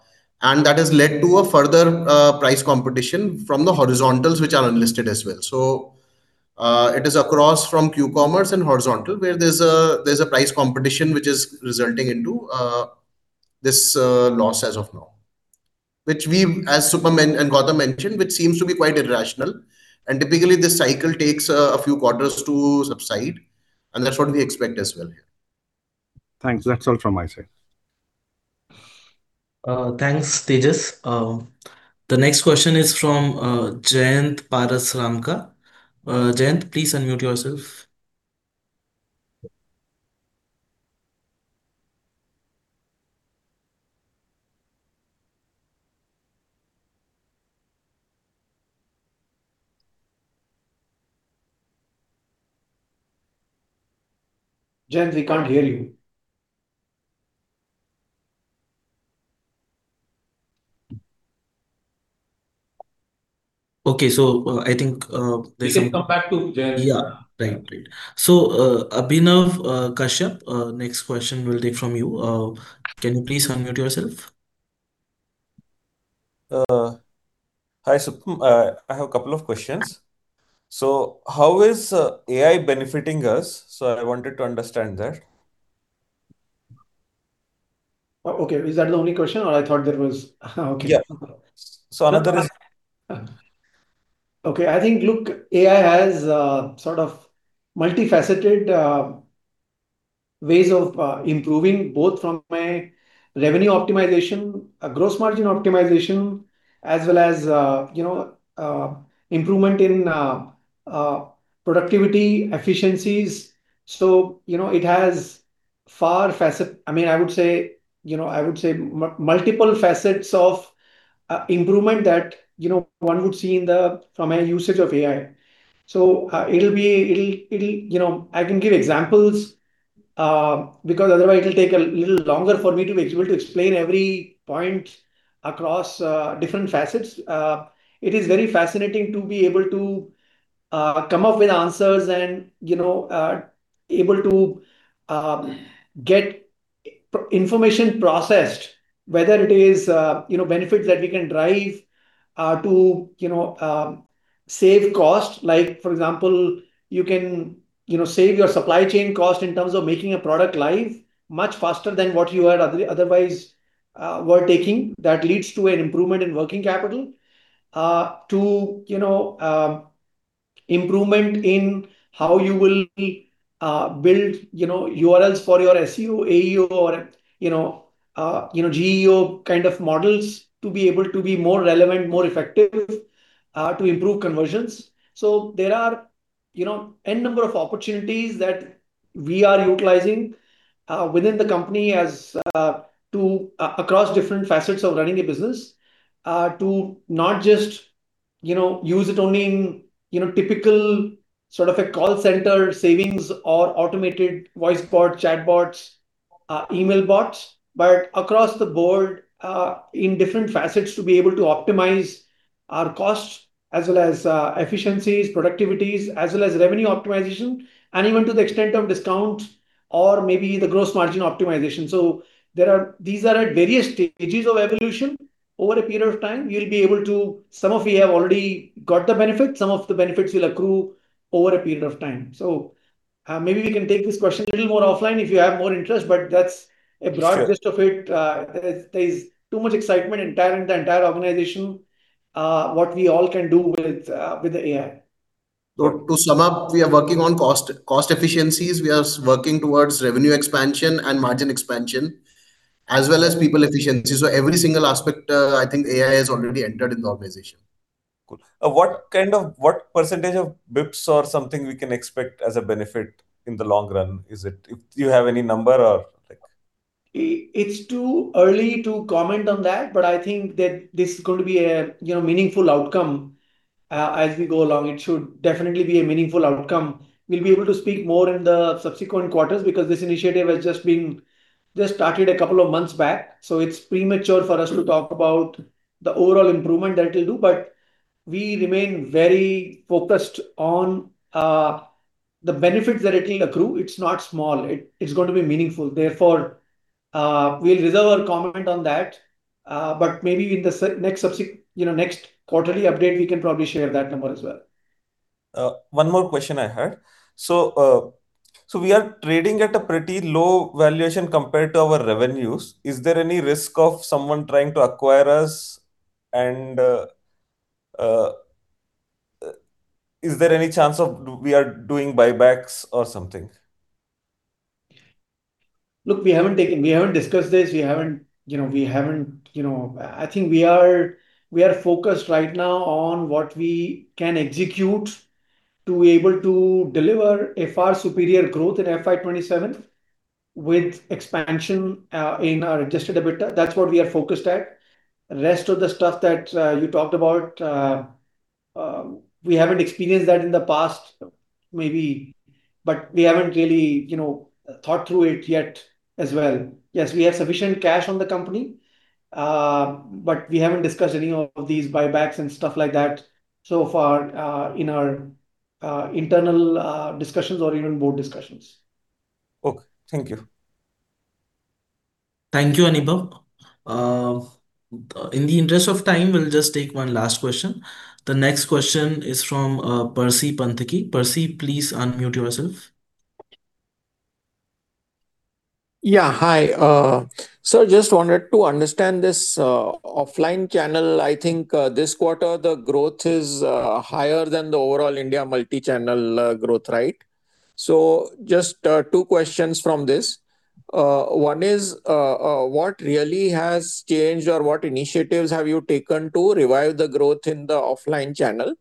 has led to a further price competition from the horizontals, which are unlisted as well. It is across from quick-commerce and horizontal, where there is a price competition which is resulting into this loss as of now. Which we, as Supam and Gautam mentioned, which seems to be quite irrational. Typically, this cycle takes a few quarters to subside, and that is what we expect as well here. Thanks. That's all from my side. Thanks, Tejas. The next question is from [Jayant Parasramka]. Jayant, please unmute yourself. Jayant, we can't hear you. We can come back to Jayant. Yeah. Thank you. [Abhinav Kashyap], next question will be from you. Can you please unmute yourself? Hi, Supam. I have a couple of questions. How is AI benefiting us? I wanted to understand that. Okay. Is that the only question? I thought there was Okay. Yeah. Okay. I think, look, AI has sort of multifaceted ways of improving, both from a revenue optimization, gross margin optimization, as well as improvement in productivity efficiencies. It has I would say multiple facets of improvement that one would see from a usage of AI. I can give examples, because otherwise it'll take a little longer for me to be able to explain every point across different facets. It is very fascinating to be able to come up with answers and able to get information processed, whether it is benefits that we can drive to save cost. Like for example, you can save your supply chain cost in terms of making a product live much faster than what you had otherwise were taking. That leads to an improvement in working capital. To improvement in how you will build URLs for your SEO, AEO, or GEO kind of models to be able to be more relevant, more effective, to improve conversions. There are n number of opportunities that we are utilizing within the company across different facets of running a business. To not just use it only in typical call center savings or automated voice bots, chatbots, email bots, but across the board, in different facets to be able to optimize our costs as well as efficiencies, productivities, as well as revenue optimization, and even to the extent of discounts or maybe the gross margin optimization. These are at various stages of evolution. Over a period of time, Some of you have already got the benefits. Some of the benefits will accrue over a period of time. Maybe we can take this question a little more offline if you have more interest, but that's a broad gist of it. There's too much excitement in the entire organization. What we all can do with AI. To sum up, we are working on cost efficiencies. We are working towards revenue expansion and margin expansion, as well as people efficiency. Every single aspect, I think AI has already entered the organization. Cool. What percentage of basis points or something we can expect as a benefit in the long run? Do you have any number? It's too early to comment on that, but I think that this is going to be a meaningful outcome. As we go along, it should definitely be a meaningful outcome. We'll be able to speak more in the subsequent quarters because this initiative has just started a couple of months back. It's premature for us to talk about the overall improvement that it'll do, but we remain very focused on the benefits that it will accrue. It's not small. It's going to be meaningful. Therefore, we'll reserve our comment on that. Maybe in the next quarterly update, we can probably share that number as well. One more question I had. We are trading at a pretty low valuation compared to our revenues. Is there any risk of someone trying to acquire us? Is there any chance of we are doing buybacks or something? Look, we haven't discussed this. I think we are focused right now on what we can execute to be able to deliver a far superior growth in FY 2027 with expansion in our adjusted EBITDA. That's what we are focused at. Rest of the stuff that you talked about, we haven't experienced that in the past, maybe. We haven't really thought through it yet as well. Yes, we have sufficient cash on the company, but we haven't discussed any of these buybacks and stuff like that. Far, in our internal discussions or even board discussions. Okay. Thank you. Thank you, Abhinav. In the interest of time, we'll just take one last question. The next question is from [Percy Panthaki]. Percy, please unmute yourself. Yeah. Hi. Just wanted to understand this offline channel. I think this quarter, the growth is higher than the overall India multi-channel growth, right? Just two questions from this. One is, what really has changed or what initiatives have you taken to revive the growth in the offline channel?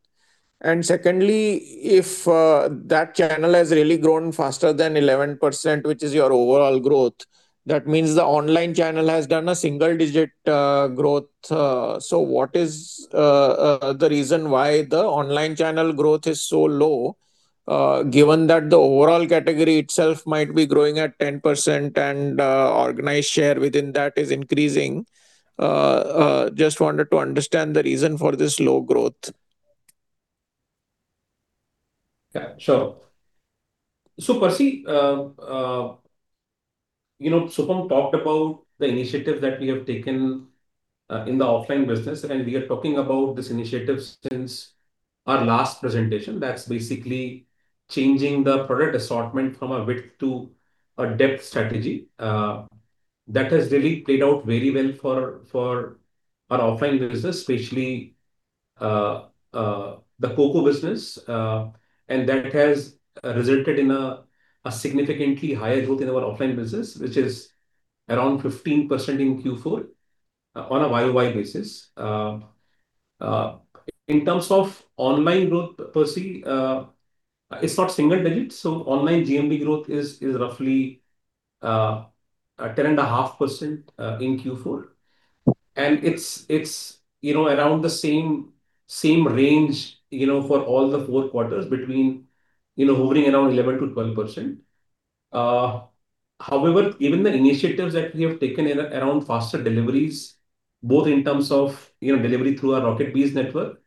Secondly, if that channel has really grown faster than 11%, which is your overall growth, that means the online channel has done a single digit growth. What is the reason why the online channel growth is so low, given that the overall category itself might be growing at 10% and organized share within that is increasing? Just wanted to understand the reason for this low growth. Yeah, sure. Percy, Supam talked about the initiative that we have taken in the offline business, and we are talking about this initiative since our last presentation. That's basically changing the product assortment from a width to a depth strategy. That has really played out very well for our offline business, especially the COCO business, and that has resulted in a significantly higher growth in our offline business, which is around 15% in Q4 on a year-over-year basis. In terms of online growth, Percy, it's not single digits. Online GMV growth is roughly 10.5% in Q4. It's around the same range for all the four quarters between hovering around 11%-12%. However, even the initiatives that we have taken around faster deliveries, both in terms of delivery through our RocketBees network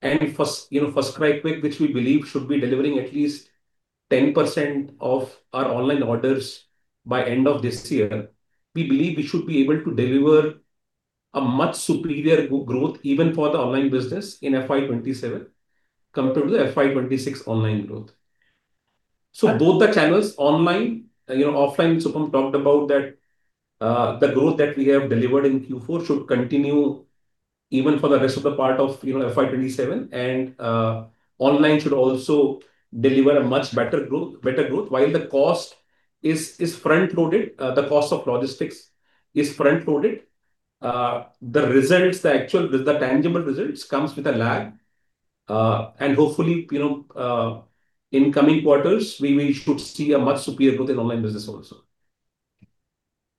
and FirstCry Qwik, which we believe should be delivering at least 10% of our online orders by end of this year. We believe we should be able to deliver a much superior growth even for the online business in FY 2027 compared to the FY 2026 online growth. Both the channels online, offline, Supam talked about that the growth that we have delivered in Q4 should continue even for the rest of the part of FY 2027 and online should also deliver a much better growth. While the cost of logistics is front-loaded, the tangible results comes with a lag. Hopefully, in coming quarters, we should see a much superior growth in online business also.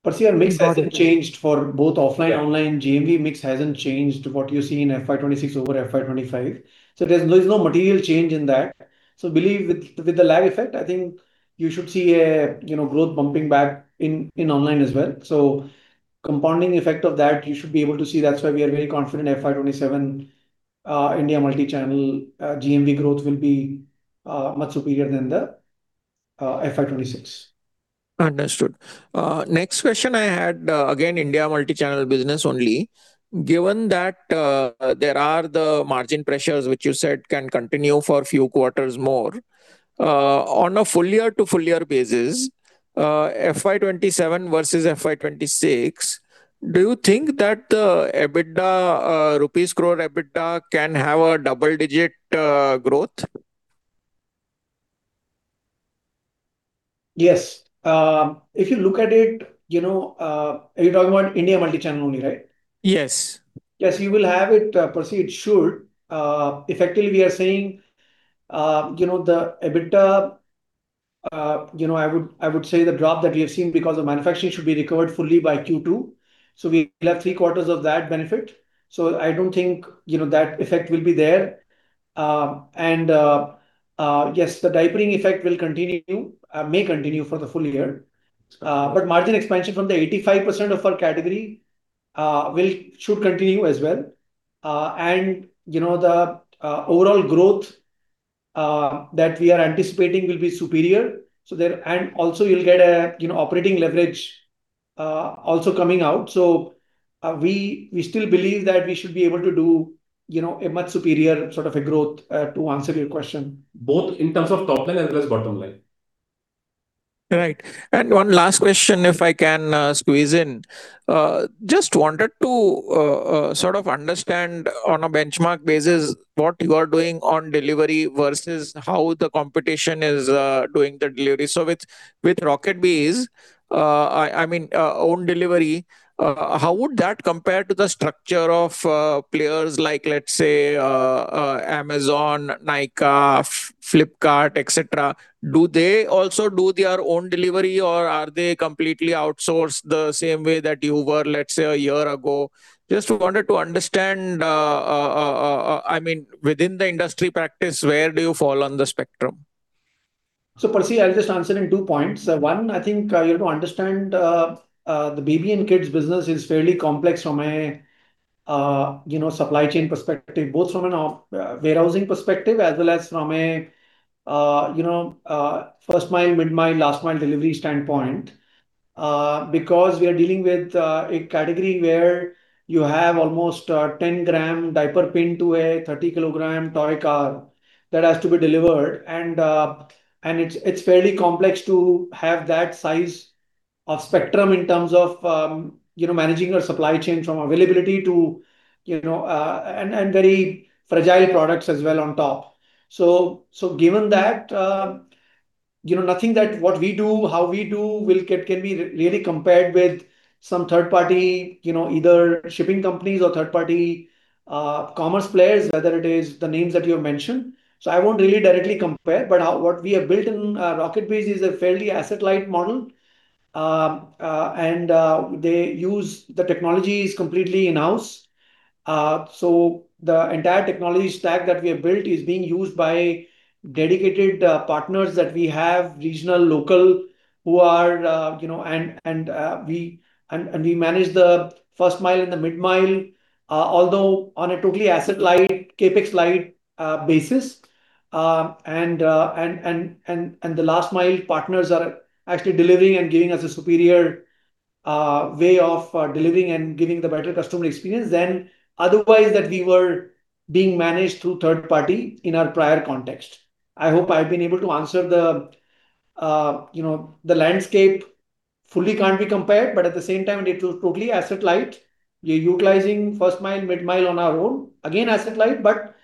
Percy, our mix hasn't changed for both offline, online. GMV mix hasn't changed what you see in FY 2026 over FY 2025. There's no material change in that. Believe with the lag effect, I think you should see a growth bumping back in online as well. Compounding effect of that, you should be able to see. That's why we are very confident FY 2027 India multi-channel GMV growth will be much superior than the FY 2026. Understood. Next question I had, again, India multi-channel business only. Given that there are the margin pressures which you said can continue for few quarters more, on a full year to full year basis, FY 2027 versus FY 2026, do you think that the rupees crore EBITDA can have a double digit growth? Yes. If you look at it, are you talking about India multi-channel only, right? Yes. Yes, you will have it, Percy. It should. Effectively, we are saying the EBITDA, I would say the drop that we have seen because of manufacturing should be recovered fully by Q2, so we still have three quarters of that benefit. I don't think that effect will be there. Yes, the diapering effect may continue for the full year. Margin expansion from the 85% of our category should continue as well. The overall growth that we are anticipating will be superior. Also you'll get operating leverage also coming out. We still believe that we should be able to do a much superior sort of a growth, to answer your question. Both in terms of top line and plus bottom line. Right. One last question, if I can squeeze in. Just wanted to sort of understand on a benchmark basis what you are doing on delivery versus how the competition is doing the delivery. With RocketBees, I mean, own delivery, how would that compare to the structure of players like, let's say, Amazon, Nykaa, Flipkart, et cetera? Do they also do their own delivery, or are they completely outsourced the same way that you were, let's say, a year ago? Just wanted to understand, within the industry practice, where do you fall on the spectrum? Percy, I'll just answer in two points. One, I think you have to understand, the baby and kids business is fairly complex from a supply chain perspective, both from a warehousing perspective as well as from a first-mile, mid-mile, last-mile delivery standpoint, because we are dealing with a category where you have almost a 10 g diaper pin to a 30 kg toy car that has to be delivered. It's fairly complex to have that size of spectrum in terms of managing your supply chain from availability and very fragile products as well on top. Given that, nothing that we do, how we do, can be really compared with some third-party, either shipping companies or third-party commerce players, whether it is the names that you have mentioned. I won't really directly compare, but what we have built in RocketBees is a fairly asset-light model, and the technology is completely in-house. The entire technology stack that we have built is being used by dedicated partners that we have, regional, local. We manage the first-mile and the mid-mile, although on a totally asset-light, CapEx-light basis. The last-mile partners are actually delivering and giving us a superior way of delivering and giving the better customer experience than otherwise that we were being managed through third party in our prior context. I hope I've been able to answer. The landscape fully can't be compared, but at the same time, it is totally asset light. We are utilizing first-mile, mid-mile on our own, again, asset light, but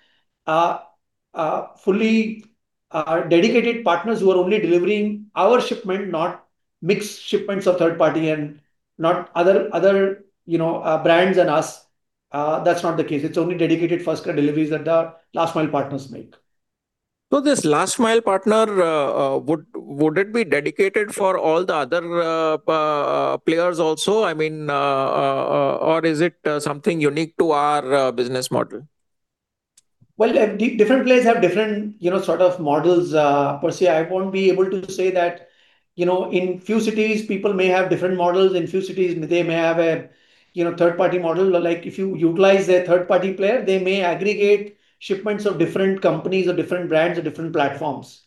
dedicated partners who are only delivering our shipment, not mixed shipments of third party and not other brands and us. That's not the case. It's only dedicated first-mile deliveries that the last-mile partners make. This last-mile partner, would it be dedicated for all the other players also? Or is it something unique to our business model? Different players have different sort of models, Percy. I won't be able to say that. In few cities, people may have different models. In few cities, they may have a third-party model, where if you utilize their third-party player, they may aggregate shipments of different companies or different brands or different platforms.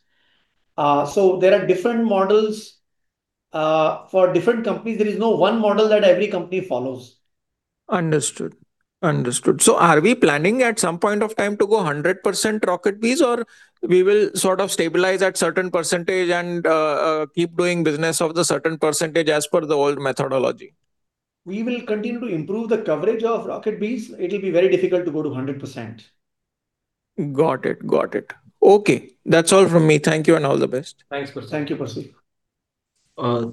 There are different models for different companies. There is no one model that every company follows. Understood. Are we planning at some point of time to go 100% RocketBees? Or we will sort of stabilize at a certain percentage and keep doing business of the certain percentage as per the old methodology? We will continue to improve the coverage of RocketBees. It will be very difficult to go to 100%. Got it. Okay. That's all from me. Thank you and all the best. Thanks, Percy.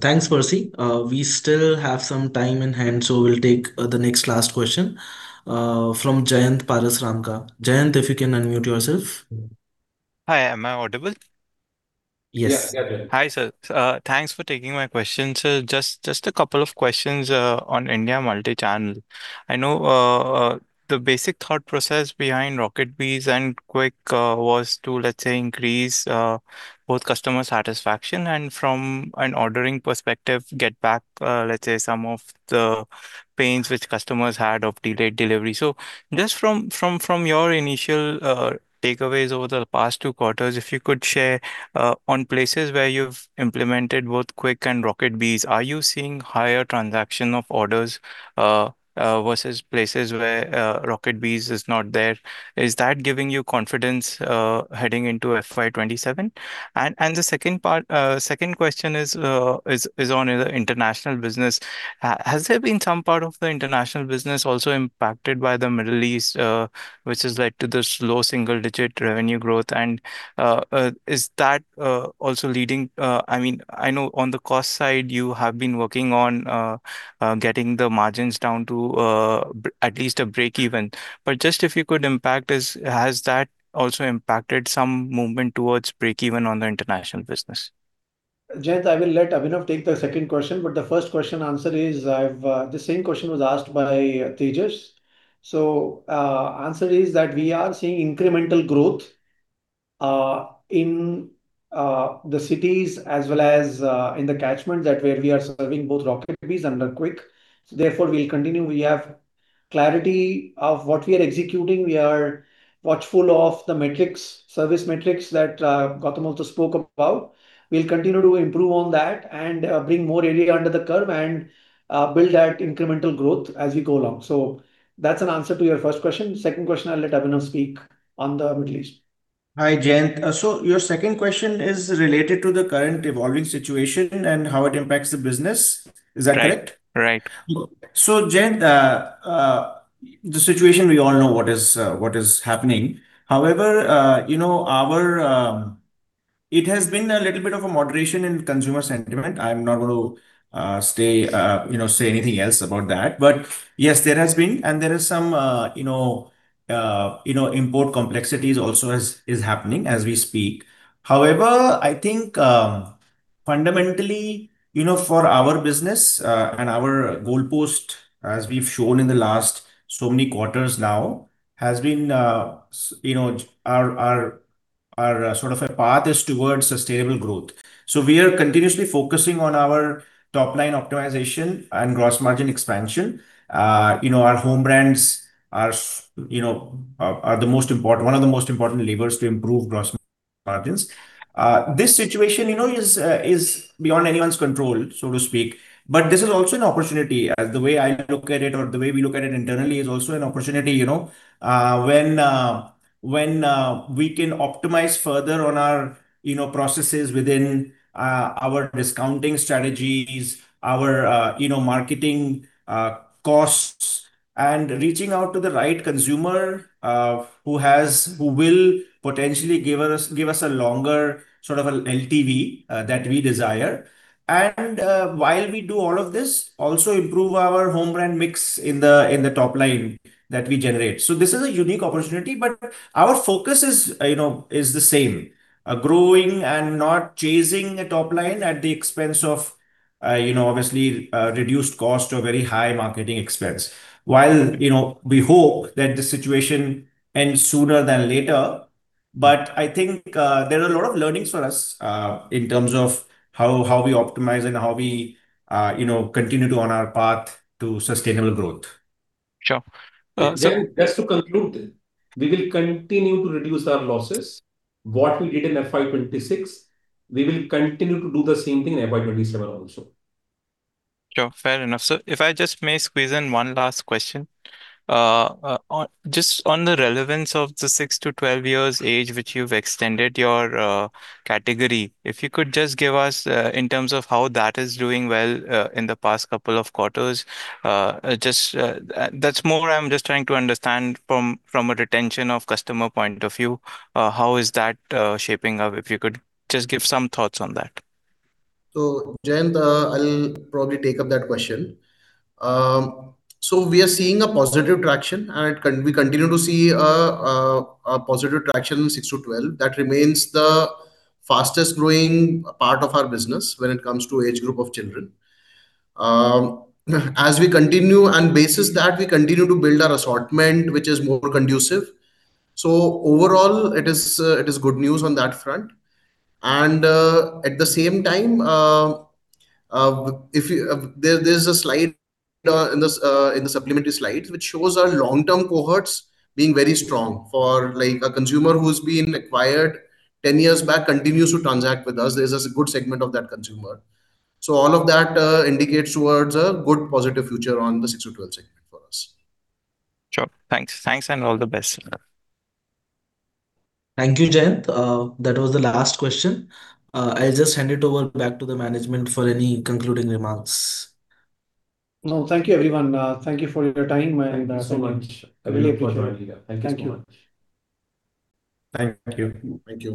Thanks, Percy. We still have some time on hand. We'll take the next last question from [Jayant Parasramka]. Jayant, if you can unmute yourself. Hi, am I audible? Yes. Yeah. Hi, sir. Thanks for taking my question. Just a couple of questions on India multi-channel. I know the basic thought process behind RocketBees and Qwik was to, let's say, increase both customer satisfaction and from an ordering perspective, get back, let's say, some of the pains which customers had of delayed delivery. Just from your initial takeaways over the past two quarters, if you could share on places where you've implemented both Qwik and RocketBees, are you seeing higher transaction of orders versus places where RocketBees is not there? Is that giving you confidence heading into FY 2027? The second question is on your International business. Has there been some part of the International business also impacted by the Middle East, which is to the slow single digit revenue growth? Is that also leading, I know on the cost side, you have been working on getting the margins down to at least a breakeven? Just has that also impacted some movement towards breakeven on the international business? Jayant, I will let Abhinav take the second question, but the first question answer is, the same question was asked by Tejas. Answer is that we are seeing incremental growth in the cities as well as in the catchment that where we are serving both RocketBees and the Qwik. Therefore, we'll continue. We have clarity of what we are executing. We are watchful of the service metrics that Gautam also spoke about. We'll continue to improve on that and bring more area under the curve and build that incremental growth as we go along. That's an answer to your first question. Second question, I'll let Abhinav speak on the Middle East. Hi, Jayant. Your second question is related to the current evolving situation and how it impacts the business. Is that right? Right. Jayant, the situation, we all know what is happening. It has been a little bit of a moderation in consumer sentiment. I'm not going to say anything else about that. Yes, there has been, and there is some import complexities also is happening as we speak. Fundamentally, for our business and our goalpost, as we've shown in the last so many quarters now, our path is towards sustainable growth. We are continuously focusing on our top-line optimization and gross margin expansion. Our home brands are one of the most important levers to improve gross margins. This situation is beyond anyone's control, so to speak, but this is also an opportunity. The way I look at it or the way we look at it internally is also an opportunity, when we can optimize further on our processes within our discounting strategies, our marketing costs and reaching out to the right consumer, who will potentially give us a longer LTV that we desire. While we do all of this, also improve our home brand mix in the top line that we generate. This is a unique opportunity, but our focus is the same, growing and not chasing a top line at the expense of obviously reduced cost or very high marketing expense. While we hope that the situation ends sooner than later, but I think there are a lot of learnings for us, in terms of how we optimize and how we continue to on our path to sustainable growth. Sure. Just to conclude, we will continue to reduce our losses. What we did in FY 2026, we will continue to do the same thing in FY 2027 also. Sure. Fair enough. If I just may squeeze in one last question. Just on the relevance of the six to 12 years age, which you've extended your category. If you could just give us, in terms of how that is doing well in the past couple of quarters. That's more I'm just trying to understand from a retention of customer point of view, how is that shaping up? If you could just give some thoughts on that? Jayant, I'll probably take up that question. We are seeing a positive traction and we continue to see a positive traction in six to 12. That remains the fastest-growing part of our business when it comes to age group of children. As we continue, basis that, we continue to build our assortment, which is more conducive. Overall, it is good news on that front. At the same time, there's a slide in the supplementary slide, which shows our long-term cohorts being very strong. For a consumer who's been acquired 10 years back, continues to transact with us, there's a good segment of that consumer. All of that indicates towards a good positive future on the six to 12 segment for us. Sure. Thanks, and all the best. Thank you, Jayant. That was the last question. I'll just hand it over back to the management for any concluding remarks. No, thank you, everyone. Thank you for your time and. Thanks so much. Really appreciate it. Thank you. Thank you. Thank you.